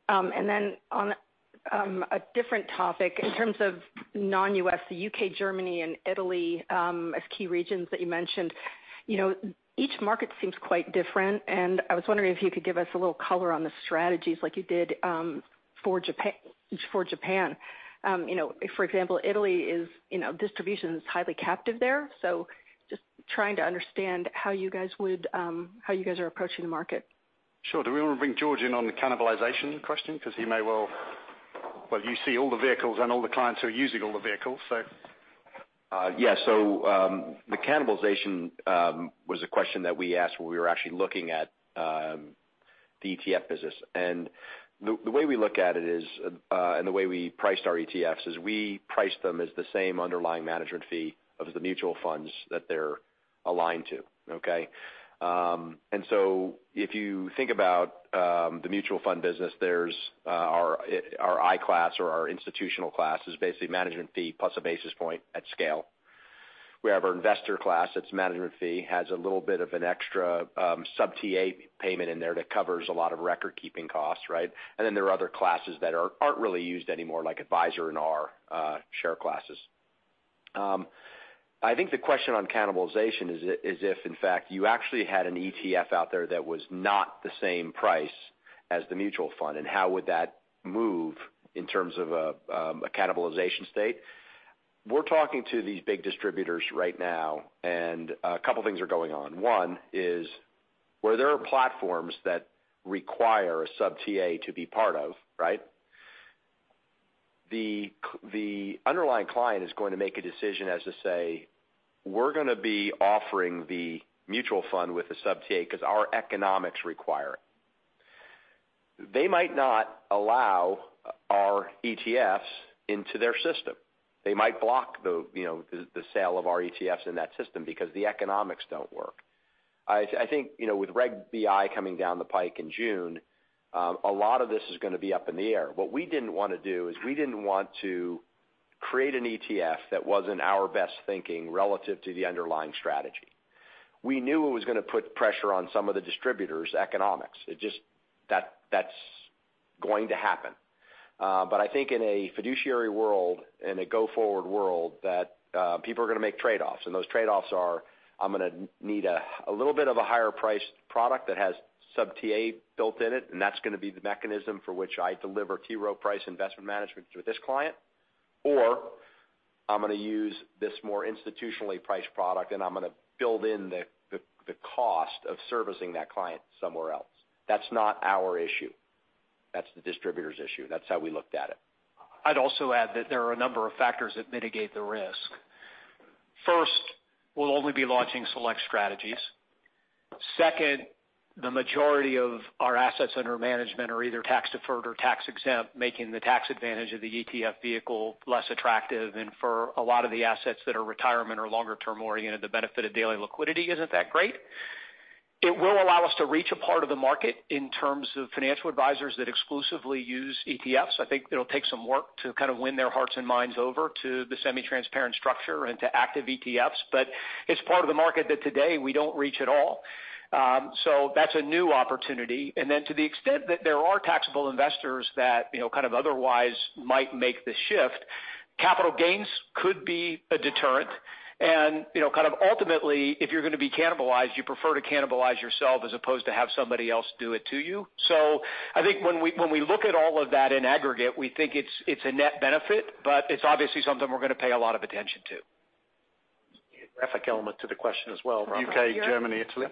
On a different topic, in terms of non-U.S., the U.K., Germany, and Italy as key regions that you mentioned, each market seems quite different, and I was wondering if you could give us a little color on the strategies like you did for Japan. For example, Italy, distribution is highly captive there. Just trying to understand how you guys are approaching the market. Sure. Do we want to bring George in on the cannibalization question? Because he may well, you see all the vehicles and all the clients who are using all the vehicles. Yeah. The cannibalization was a question that we asked when we were actually looking at the ETF business. The way we look at it is, and the way we priced our ETFs, is we priced them as the same underlying management fee of the mutual funds that they're aligned to. Okay? If you think about the mutual fund business, there's our I Class or our institutional class is basically management fee plus a basis point at scale. We have our investor class, that's a management fee, has a little bit of an extra sub-TA payment in there that covers a lot of record-keeping costs, right? There are other classes that aren't really used anymore, like advisor and R share classes. I think the question on cannibalization is if, in fact, you actually had an ETF out there that was not the same price as the mutual fund, and how would that move in terms of a cannibalization state? We're talking to these big distributors right now, and a couple of things are going on. One is where there are platforms that require a sub-TA to be part of, right? The underlying client is going to make a decision as to say, we're going to be offering the mutual fund with the sub-TA because our economics require it. They might not allow our ETFs into their system. They might block the sale of our ETFs in that system because the economics don't work. I think, with Reg BI coming down the pike in June, a lot of this is going to be up in the air. What we didn't want to do is we didn't want to create an ETF that wasn't our best thinking relative to the underlying strategy. We knew it was going to put pressure on some of the distributors' economics. That's going to happen. I think in a fiduciary world, in a go-forward world, that people are going to make trade-offs. Those trade-offs are, I'm going to need a little bit of a higher priced product that has sub-TA built in it, and that's going to be the mechanism for which I deliver T. Rowe Price investment management to this client. I'm going to use this more institutionally priced product, and I'm going to build in the cost of servicing that client somewhere else. That's not our issue. That's the distributor's issue. That's how we looked at it. I'd also add that there are a number of factors that mitigate the risk. First, we'll only be launching select strategies. Second, the majority of our assets under management are either tax-deferred or tax-exempt, making the tax advantage of the ETF vehicle less attractive. For a lot of the assets that are retirement or longer-term oriented, the benefit of daily liquidity isn't that great. It will allow us to reach a part of the market in terms of financial advisors that exclusively use ETFs. I think it'll take some work to kind of win their hearts and minds over to the semi-transparent structure and to active ETFs. It's part of the market that today we don't reach at all. That's a new opportunity. To the extent that there are taxable investors that kind of otherwise might make the shift, capital gains could be a deterrent. Kind of ultimately, if you're going to be cannibalized, you prefer to cannibalize yourself as opposed to have somebody else do it to you. I think when we look at all of that in aggregate, we think it's a net benefit, but it's obviously something we're going to pay a lot of attention to. Geographic element to the question as well. U.K., Germany, Italy.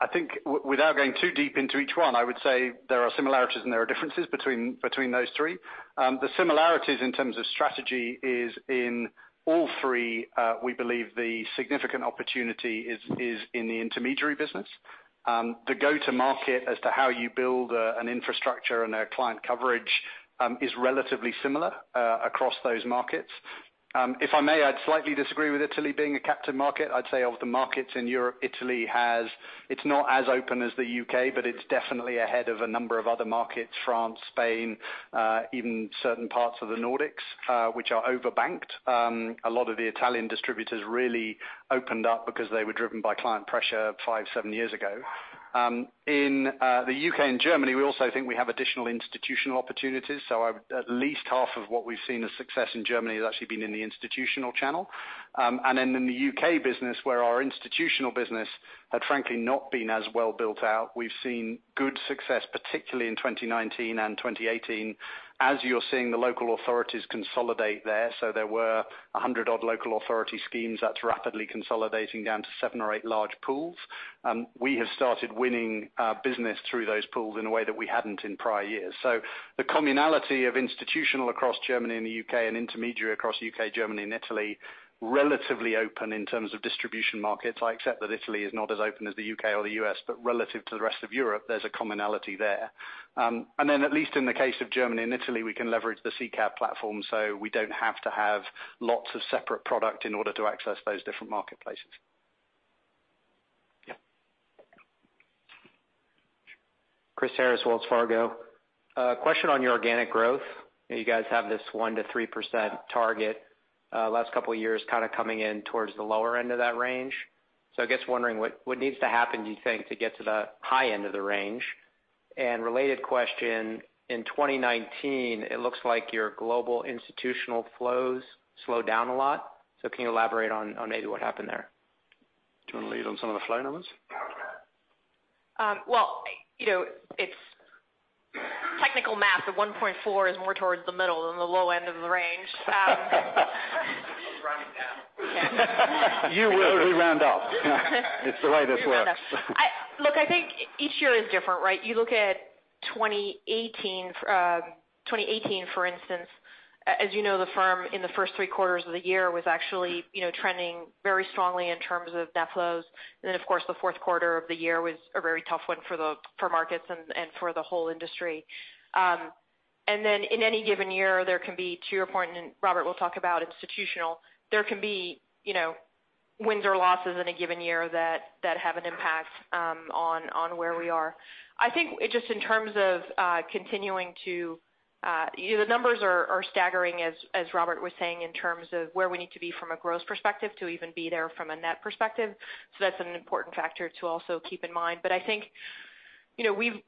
I think without going too deep into each one, I would say there are similarities and there are differences between those three. The similarities in terms of strategy is in all three, we believe the significant opportunity is in the intermediary business. The go-to-market as to how you build an infrastructure and a client coverage is relatively similar across those markets. If I may, I'd slightly disagree with Italy being a captive market. I'd say of the markets in Europe, Italy, it's not as open as the U.K., but it's definitely ahead of a number of other markets, France, Spain even certain parts of the Nordics which are over-banked. A lot of the Italian distributors really opened up because they were driven by client pressure five, seven years ago. In the U.K. and Germany, we also think we have additional institutional opportunities. At least half of what we've seen as success in Germany has actually been in the institutional channel. In the U.K. business where our institutional business had frankly not been as well built out, we've seen good success, particularly in 2019 and 2018, as you're seeing the local authorities consolidate there. There were 100 odd local authority schemes that's rapidly consolidating down to seven or eight large pools. We have started winning business through those pools in a way that we hadn't in prior years. The commonality of institutional across Germany and the U.K. and intermediary across U.K., Germany, and Italy, relatively open in terms of distribution markets. I accept that Italy is not as open as the U.K. or the U.S., but relative to the rest of Europe, there's a commonality there. At least in the case of Germany and Italy, we can leverage the SICAV platform, so we don't have to have lots of separate product in order to access those different marketplaces. Chris Harris, Wells Fargo. A question on your organic growth. You guys have this 1%-3% target. Last couple of years kind of coming in towards the lower end of that range. I guess wondering what needs to happen, do you think, to get to the high end of the range? Related question, in 2019, it looks like your global institutional flows slowed down a lot. Can you elaborate on maybe what happened there? Do you want to lead on some of the flow numbers? Well, it's technical math, but 1.4% is more towards the middle than the low end of the range. It's rounding down. You only round up. It's the way this works. Look, I think each year is different, right? You look at 2018, for instance, as you know, the firm in the first three quarters of the year was actually trending very strongly in terms of net flows. Of course, the fourth quarter of the year was a very tough one for markets and for the whole industry. In any given year, there can be, to your point, and Robert will talk about institutional, there can be wins or losses in a given year that have an impact on where we are. The numbers are staggering as Robert was saying, in terms of where we need to be from a growth perspective to even be there from a net perspective. That's an important factor to also keep in mind. I think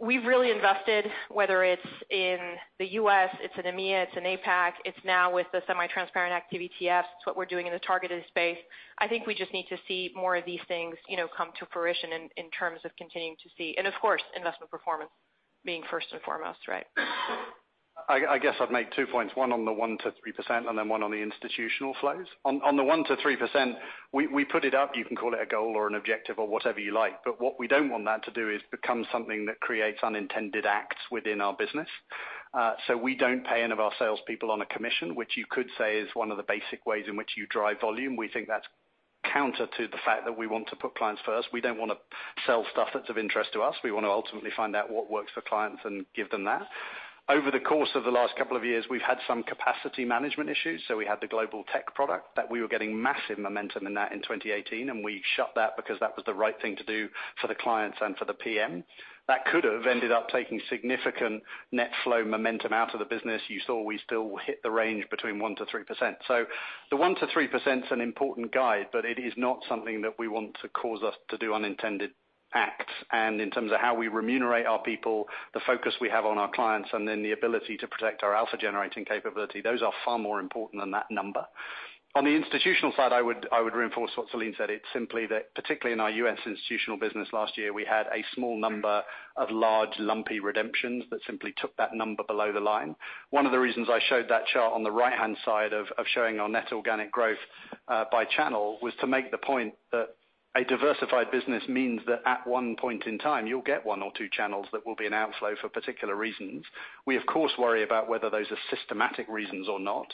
we've really invested, whether it's in the U.S., it's in EMEA, it's in APAC, it's now with the semi-transparent active ETFs. It's what we're doing in the targeted space. I think we just need to see more of these things come to fruition in terms of continuing to see and of course, investment performance being first and foremost, right? I guess I'd make two points, one on the 1%-3%, and then one on the institutional flows. On the 1%-3%, we put it up, you can call it a goal or an objective or whatever you like. What we don't want that to do is become something that creates unintended acts within our business. We don't pay any of our salespeople on a commission, which you could say is one of the basic ways in which you drive volume. We think that's counter to the fact that we want to put clients first. We don't want to sell stuff that's of interest to us. We want to ultimately find out what works for clients and give them that. Over the course of the last couple of years, we've had some capacity management issues. We had the global tech product that we were getting massive momentum in that in 2018, and we shut that because that was the right thing to do for the clients and for the PM. That could have ended up taking significant net flow momentum out of the business. You saw we still hit the range between 1%-3%. The 1%-3% is an important guide, but it is not something that we want to cause us to do unintended acts. In terms of how we remunerate our people, the focus we have on our clients, and then the ability to protect our alpha-generating capability, those are far more important than that number. On the institutional side, I would reinforce what Céline said. It's simply that, particularly in our U.S. institutional business last year, we had a small number of large, lumpy redemptions that simply took that number below the line. One of the reasons I showed that chart on the right-hand side of showing our net organic growth by channel was to make the point that a diversified business means that at one point in time, you'll get one or two channels that will be an outflow for particular reasons. We, of course, worry about whether those are systematic reasons or not.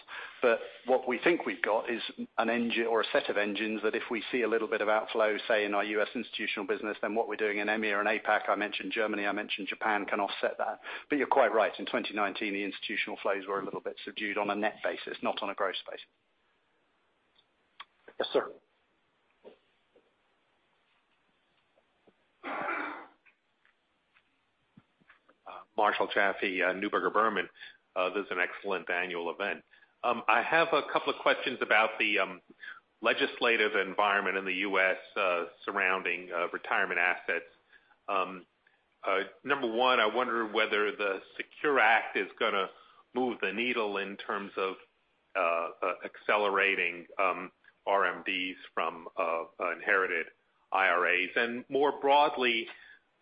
What we think we've got is an engine or a set of engines that if we see a little bit of outflow, say, in our U.S. institutional business, then what we're doing in EMEA and APAC, I mentioned Germany, I mentioned Japan, can offset that. You're quite right. In 2019, the institutional flows were a little bit subdued on a net basis, not on a growth basis. Yes, sir. Marshall Jaffe, Neuberger Berman. This is an excellent annual event. I have a couple of questions about the legislative environment in the U.S. surrounding retirement assets. Number one, I wonder whether the SECURE Act is going to move the needle in terms of accelerating RMDs from inherited IRAs. More broadly,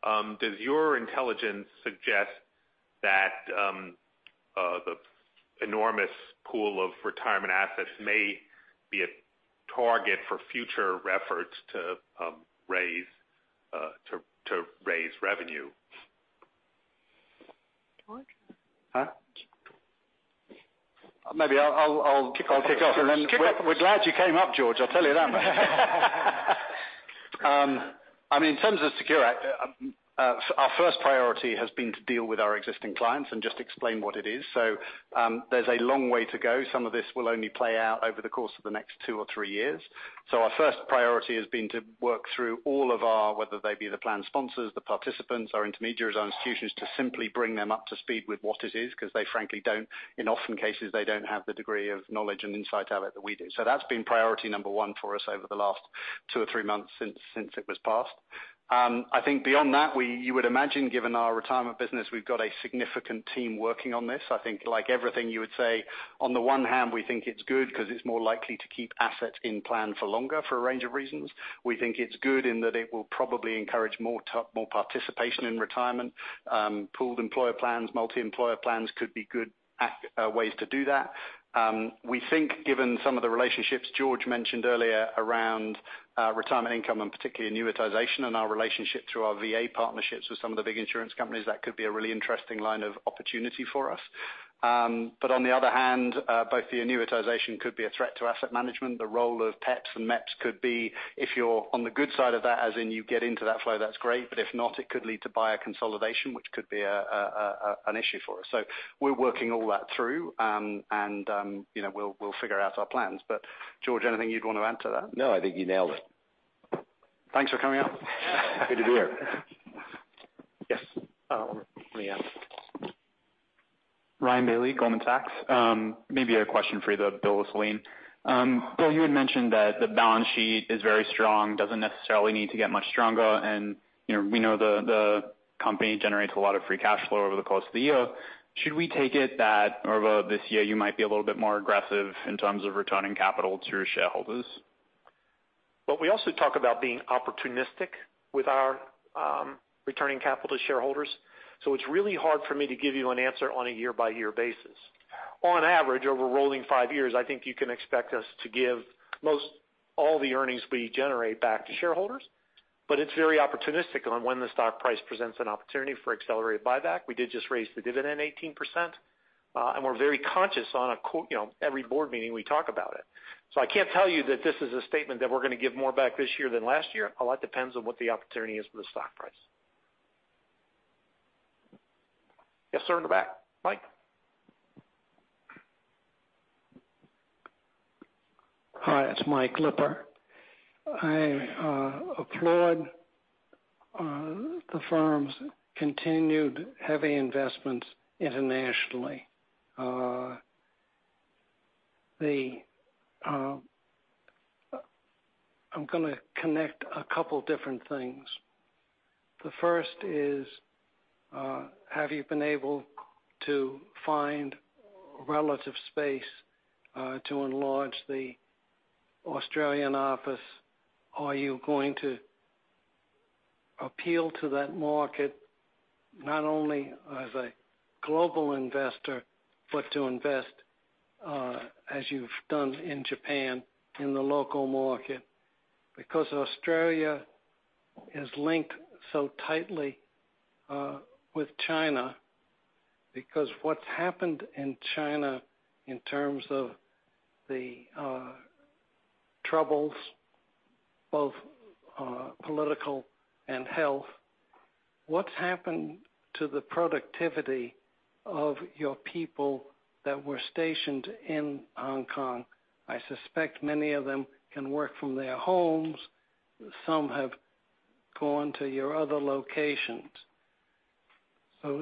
does your intelligence suggest that the enormous pool of retirement assets may be a target for future efforts to raise revenue? George? Huh? kick off. We're glad you came up, George. I'll tell you that much. In terms of SECURE Act, our first priority has been to deal with our existing clients and just explain what it is. There's a long way to go. Some of this will only play out over the course of the next two or three years. Our first priority has been to work through all of our, whether they be the plan sponsors, the participants, our intermediaries, our institutions, to simply bring them up to speed with what it is, because they frankly don't, in often cases, they don't have the degree of knowledge and insight out that we do. That's been priority number one for us over the last two or three months since it was passed. I think beyond that, you would imagine, given our retirement business, we've got a significant team working on this. I think like everything you would say, on the one hand, we think it's good because it's more likely to keep assets in plan for longer for a range of reasons. We think it's good in that it will probably encourage more participation in retirement. Pooled employer plans, multi-employer plans could be good ways to do that. We think given some of the relationships George mentioned earlier around retirement income and particularly annuitization and our relationship through our VA partnerships with some of the big insurance companies, that could be a really interesting line of opportunity for us. On the other hand, both the annuitization could be a threat to asset management. The role of PEPs and MEPs could be, if you're on the good side of that, as in you get into that flow, that's great. If not, it could lead to buyer consolidation, which could be an issue for us. We're working all that through, and we'll figure out our plans. George, anything you'd want to add to that? No, I think you nailed it. Thanks for coming up. Good to be here. Yes. Ryan Bailey, Goldman Sachs. Maybe a question for either Bill or Céline. Bill, you had mentioned that the balance sheet is very strong, doesn't necessarily need to get much stronger, and we know the company generates a lot of free cash flow over the course of the year. Should we take it that over this year you might be a little bit more aggressive in terms of returning capital to shareholders? We also talk about being opportunistic with our returning capital to shareholders. It's really hard for me to give you an answer on a year-by-year basis. On average, over rolling five years, I think you can expect us to give most all the earnings we generate back to shareholders. It's very opportunistic on when the stock price presents an opportunity for accelerated buyback. We did just raise the dividend 18%, and we're very conscious on every board meeting, we talk about it. I can't tell you that this is a statement that we're going to give more back this year than last year. A lot depends on what the opportunity is for the stock price. Yes, sir, in the back. Mike. Hi, it's Mike Lipper. I applaud the firm's continued heavy investments internationally. I'm going to connect a couple different things. The first is, have you been able to find relative space to enlarge the Australian office? Are you going to appeal to that market not only as a global investor, but to invest, as you've done in Japan, in the local market? Because Australia is linked so tightly with China, because what's happened in China in terms of the troubles, both political and health, what's happened to the productivity of your people that were stationed in Hong Kong? I suspect many of them can work from their homes. Some have gone to your other locations. How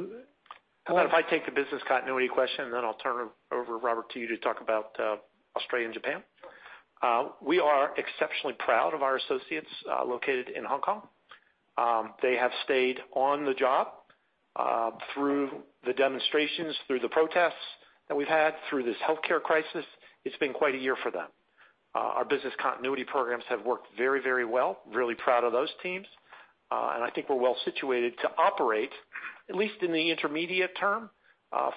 about if I take the business continuity question, then I'll turn it over, Robert, to you to talk about Australia and Japan. We are exceptionally proud of our associates located in Hong Kong. They have stayed on the job through the demonstrations, through the protests that we've had, through this healthcare crisis, it's been quite a year for them. Our business continuity programs have worked very well. Really proud of those teams. I think we're well-situated to operate, at least in the intermediate term,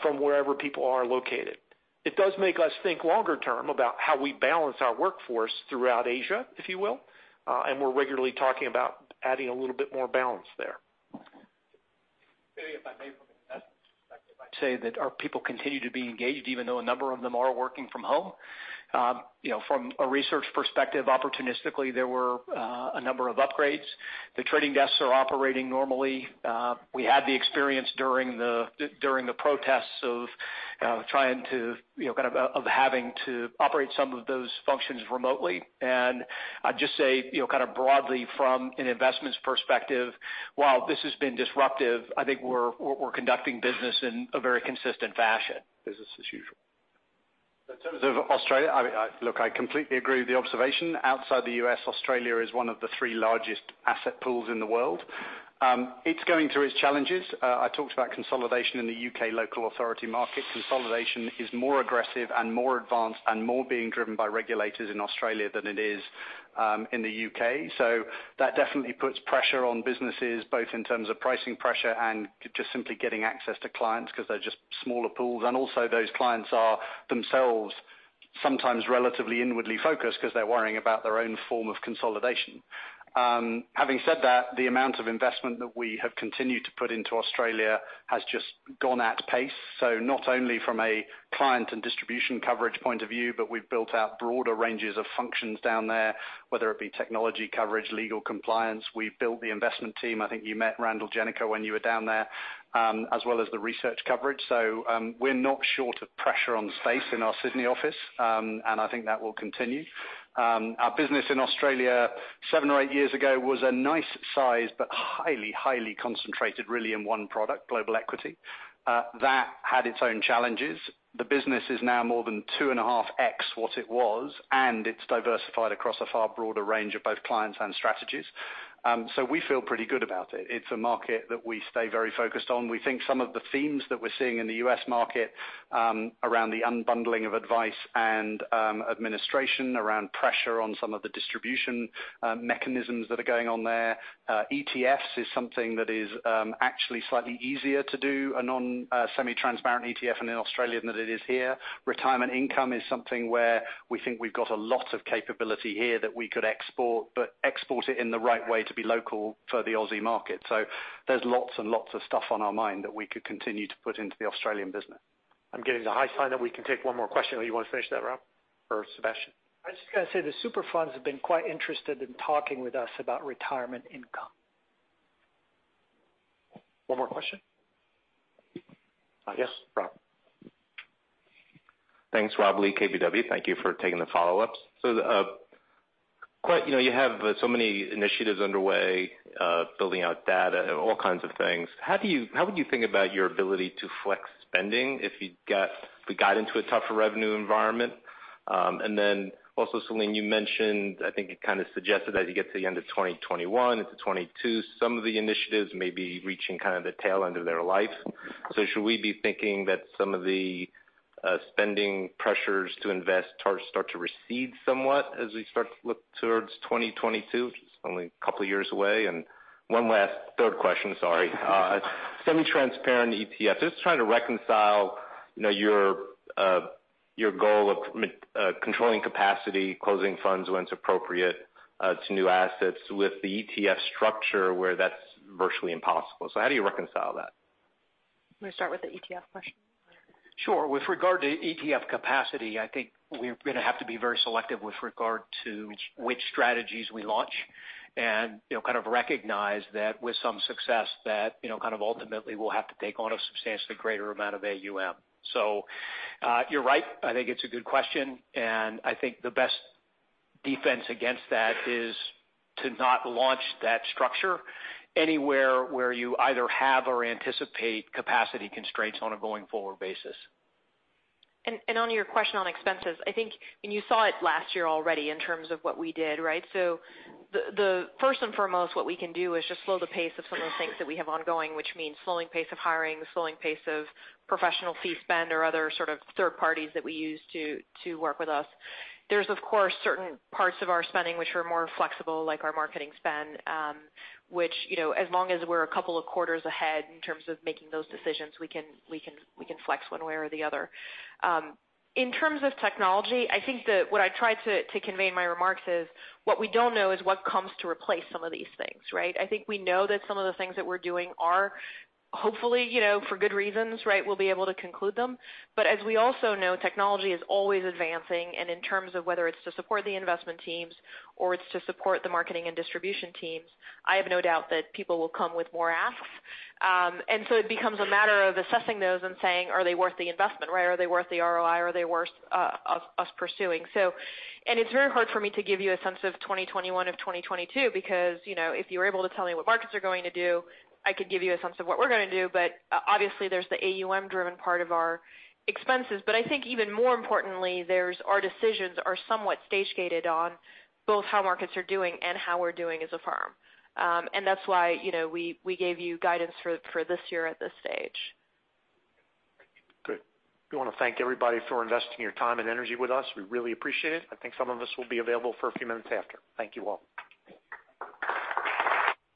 from wherever people are located. It does make us think longer term about how we balance our workforce throughout Asia, if you will, and we're regularly talking about adding a little bit more balance there. I'd say that our people continue to be engaged, even though a number of them are working from home. From a research perspective, opportunistically, there were a number of upgrades. The trading desks are operating normally. We had the experience during the protests of having to operate some of those functions remotely. I'd just say, kind of broadly from an investments perspective, while this has been disruptive, I think we're conducting business in a very consistent fashion. Business as usual. In terms of Australia, look, I completely agree with the observation. Outside the U.S., Australia is one of the three largest asset pools in the world. It's going through its challenges. I talked about consolidation in the U.K. local authority market. Consolidation is more aggressive and more advanced and more being driven by regulators in Australia than it is in the U.K. That definitely puts pressure on businesses, both in terms of pricing pressure and just simply getting access to clients because they're just smaller pools. Also those clients are themselves sometimes relatively inwardly focused because they're worrying about their own form of consolidation. Having said that, the amount of investment that we have continued to put into Australia has just gone at pace. Not only from a client and distribution coverage point of view, but we've built out broader ranges of functions down there, whether it be technology coverage, legal compliance. We've built the investment team. I think you met Randal Jenneke when you were down there, as well as the research coverage. We're not short of pressure on space in our Sydney office, and I think that will continue. Our business in Australia seven or eight years ago was a nice size, but highly concentrated really in one product, global equity. That had its own challenges. The business is now more than 2.5x what it was, and it's diversified across a far broader range of both clients and strategies. We feel pretty good about it. It's a market that we stay very focused on. We think some of the themes that we're seeing in the U.S. market around the unbundling of advice and administration, around pressure on some of the distribution mechanisms that are going on there. ETFs is something that is actually slightly easier to do a semi-transparent ETF in Australia than it is here. Retirement income is something where we think we've got a lot of capability here that we could export, but export it in the right way to be local for the Aussie market. There's lots and lots of stuff on our mind that we could continue to put into the Australian business. I'm getting the high sign that we can take one more question, or you want to finish that, Rob or Sébastien? I was just going to say the super funds have been quite interested in talking with us about retirement income. One more question? Yes, Rob. Thanks, Rob Lee, KBW. Thank you for taking the follow-ups. You have so many initiatives underway, building out data and all kinds of things. How would you think about your ability to flex spending if we got into a tougher revenue environment? Then also, Céline, you mentioned, I think you kind of suggested as you get to the end of 2021 into 2022, some of the initiatives may be reaching the tail end of their life. Should we be thinking that some of the spending pressures to invest start to recede somewhat as we start to look towards 2022? It's only a couple of years away. One last, third question, sorry. Semi-transparent ETFs. Just trying to reconcile your goal of controlling capacity, closing funds when it's appropriate to new assets with the ETF structure where that's virtually impossible. How do you reconcile that? You want me to start with the ETF question? Sure. With regard to ETF capacity, I think we're going to have to be very selective with regard to which strategies we launch and kind of recognize that with some success that kind of ultimately we'll have to take on a substantially greater amount of AUM. You're right. I think it's a good question, and I think the best defense against that is to not launch that structure anywhere where you either have or anticipate capacity constraints on a going-forward basis. On your question on expenses, I think, and you saw it last year already in terms of what we did, right? First and foremost what we can do is just slow the pace of some of the things that we have ongoing, which means slowing pace of hiring, slowing pace of professional fee spend or other sort of third parties that we use to work with us. There's of course certain parts of our spending which are more flexible, like our marketing spend, which as long as we're a couple of quarters ahead in terms of making those decisions, we can flex one way or the other. In terms of technology, I think that what I tried to convey in my remarks is what we don't know is what comes to replace some of these things, right? I think we know that some of the things that we're doing are hopefully for good reasons, right, we'll be able to conclude them. As we also know, technology is always advancing, and in terms of whether it's to support the investment teams or it's to support the marketing and distribution teams, I have no doubt that people will come with more asks. It becomes a matter of assessing those and saying, are they worth the investment, right? Are they worth the ROI? Are they worth us pursuing? It's very hard for me to give you a sense of 2021 of 2022 because if you were able to tell me what markets are going to do, I could give you a sense of what we're going to do. Obviously there's the AUM-driven part of our expenses. I think even more importantly, our decisions are somewhat stage-gated on both how markets are doing and how we're doing as a firm. That's why we gave you guidance for this year at this stage. Good. We want to thank everybody for investing your time and energy with us. We really appreciate it. I think some of us will be available for a few minutes after. Thank you all.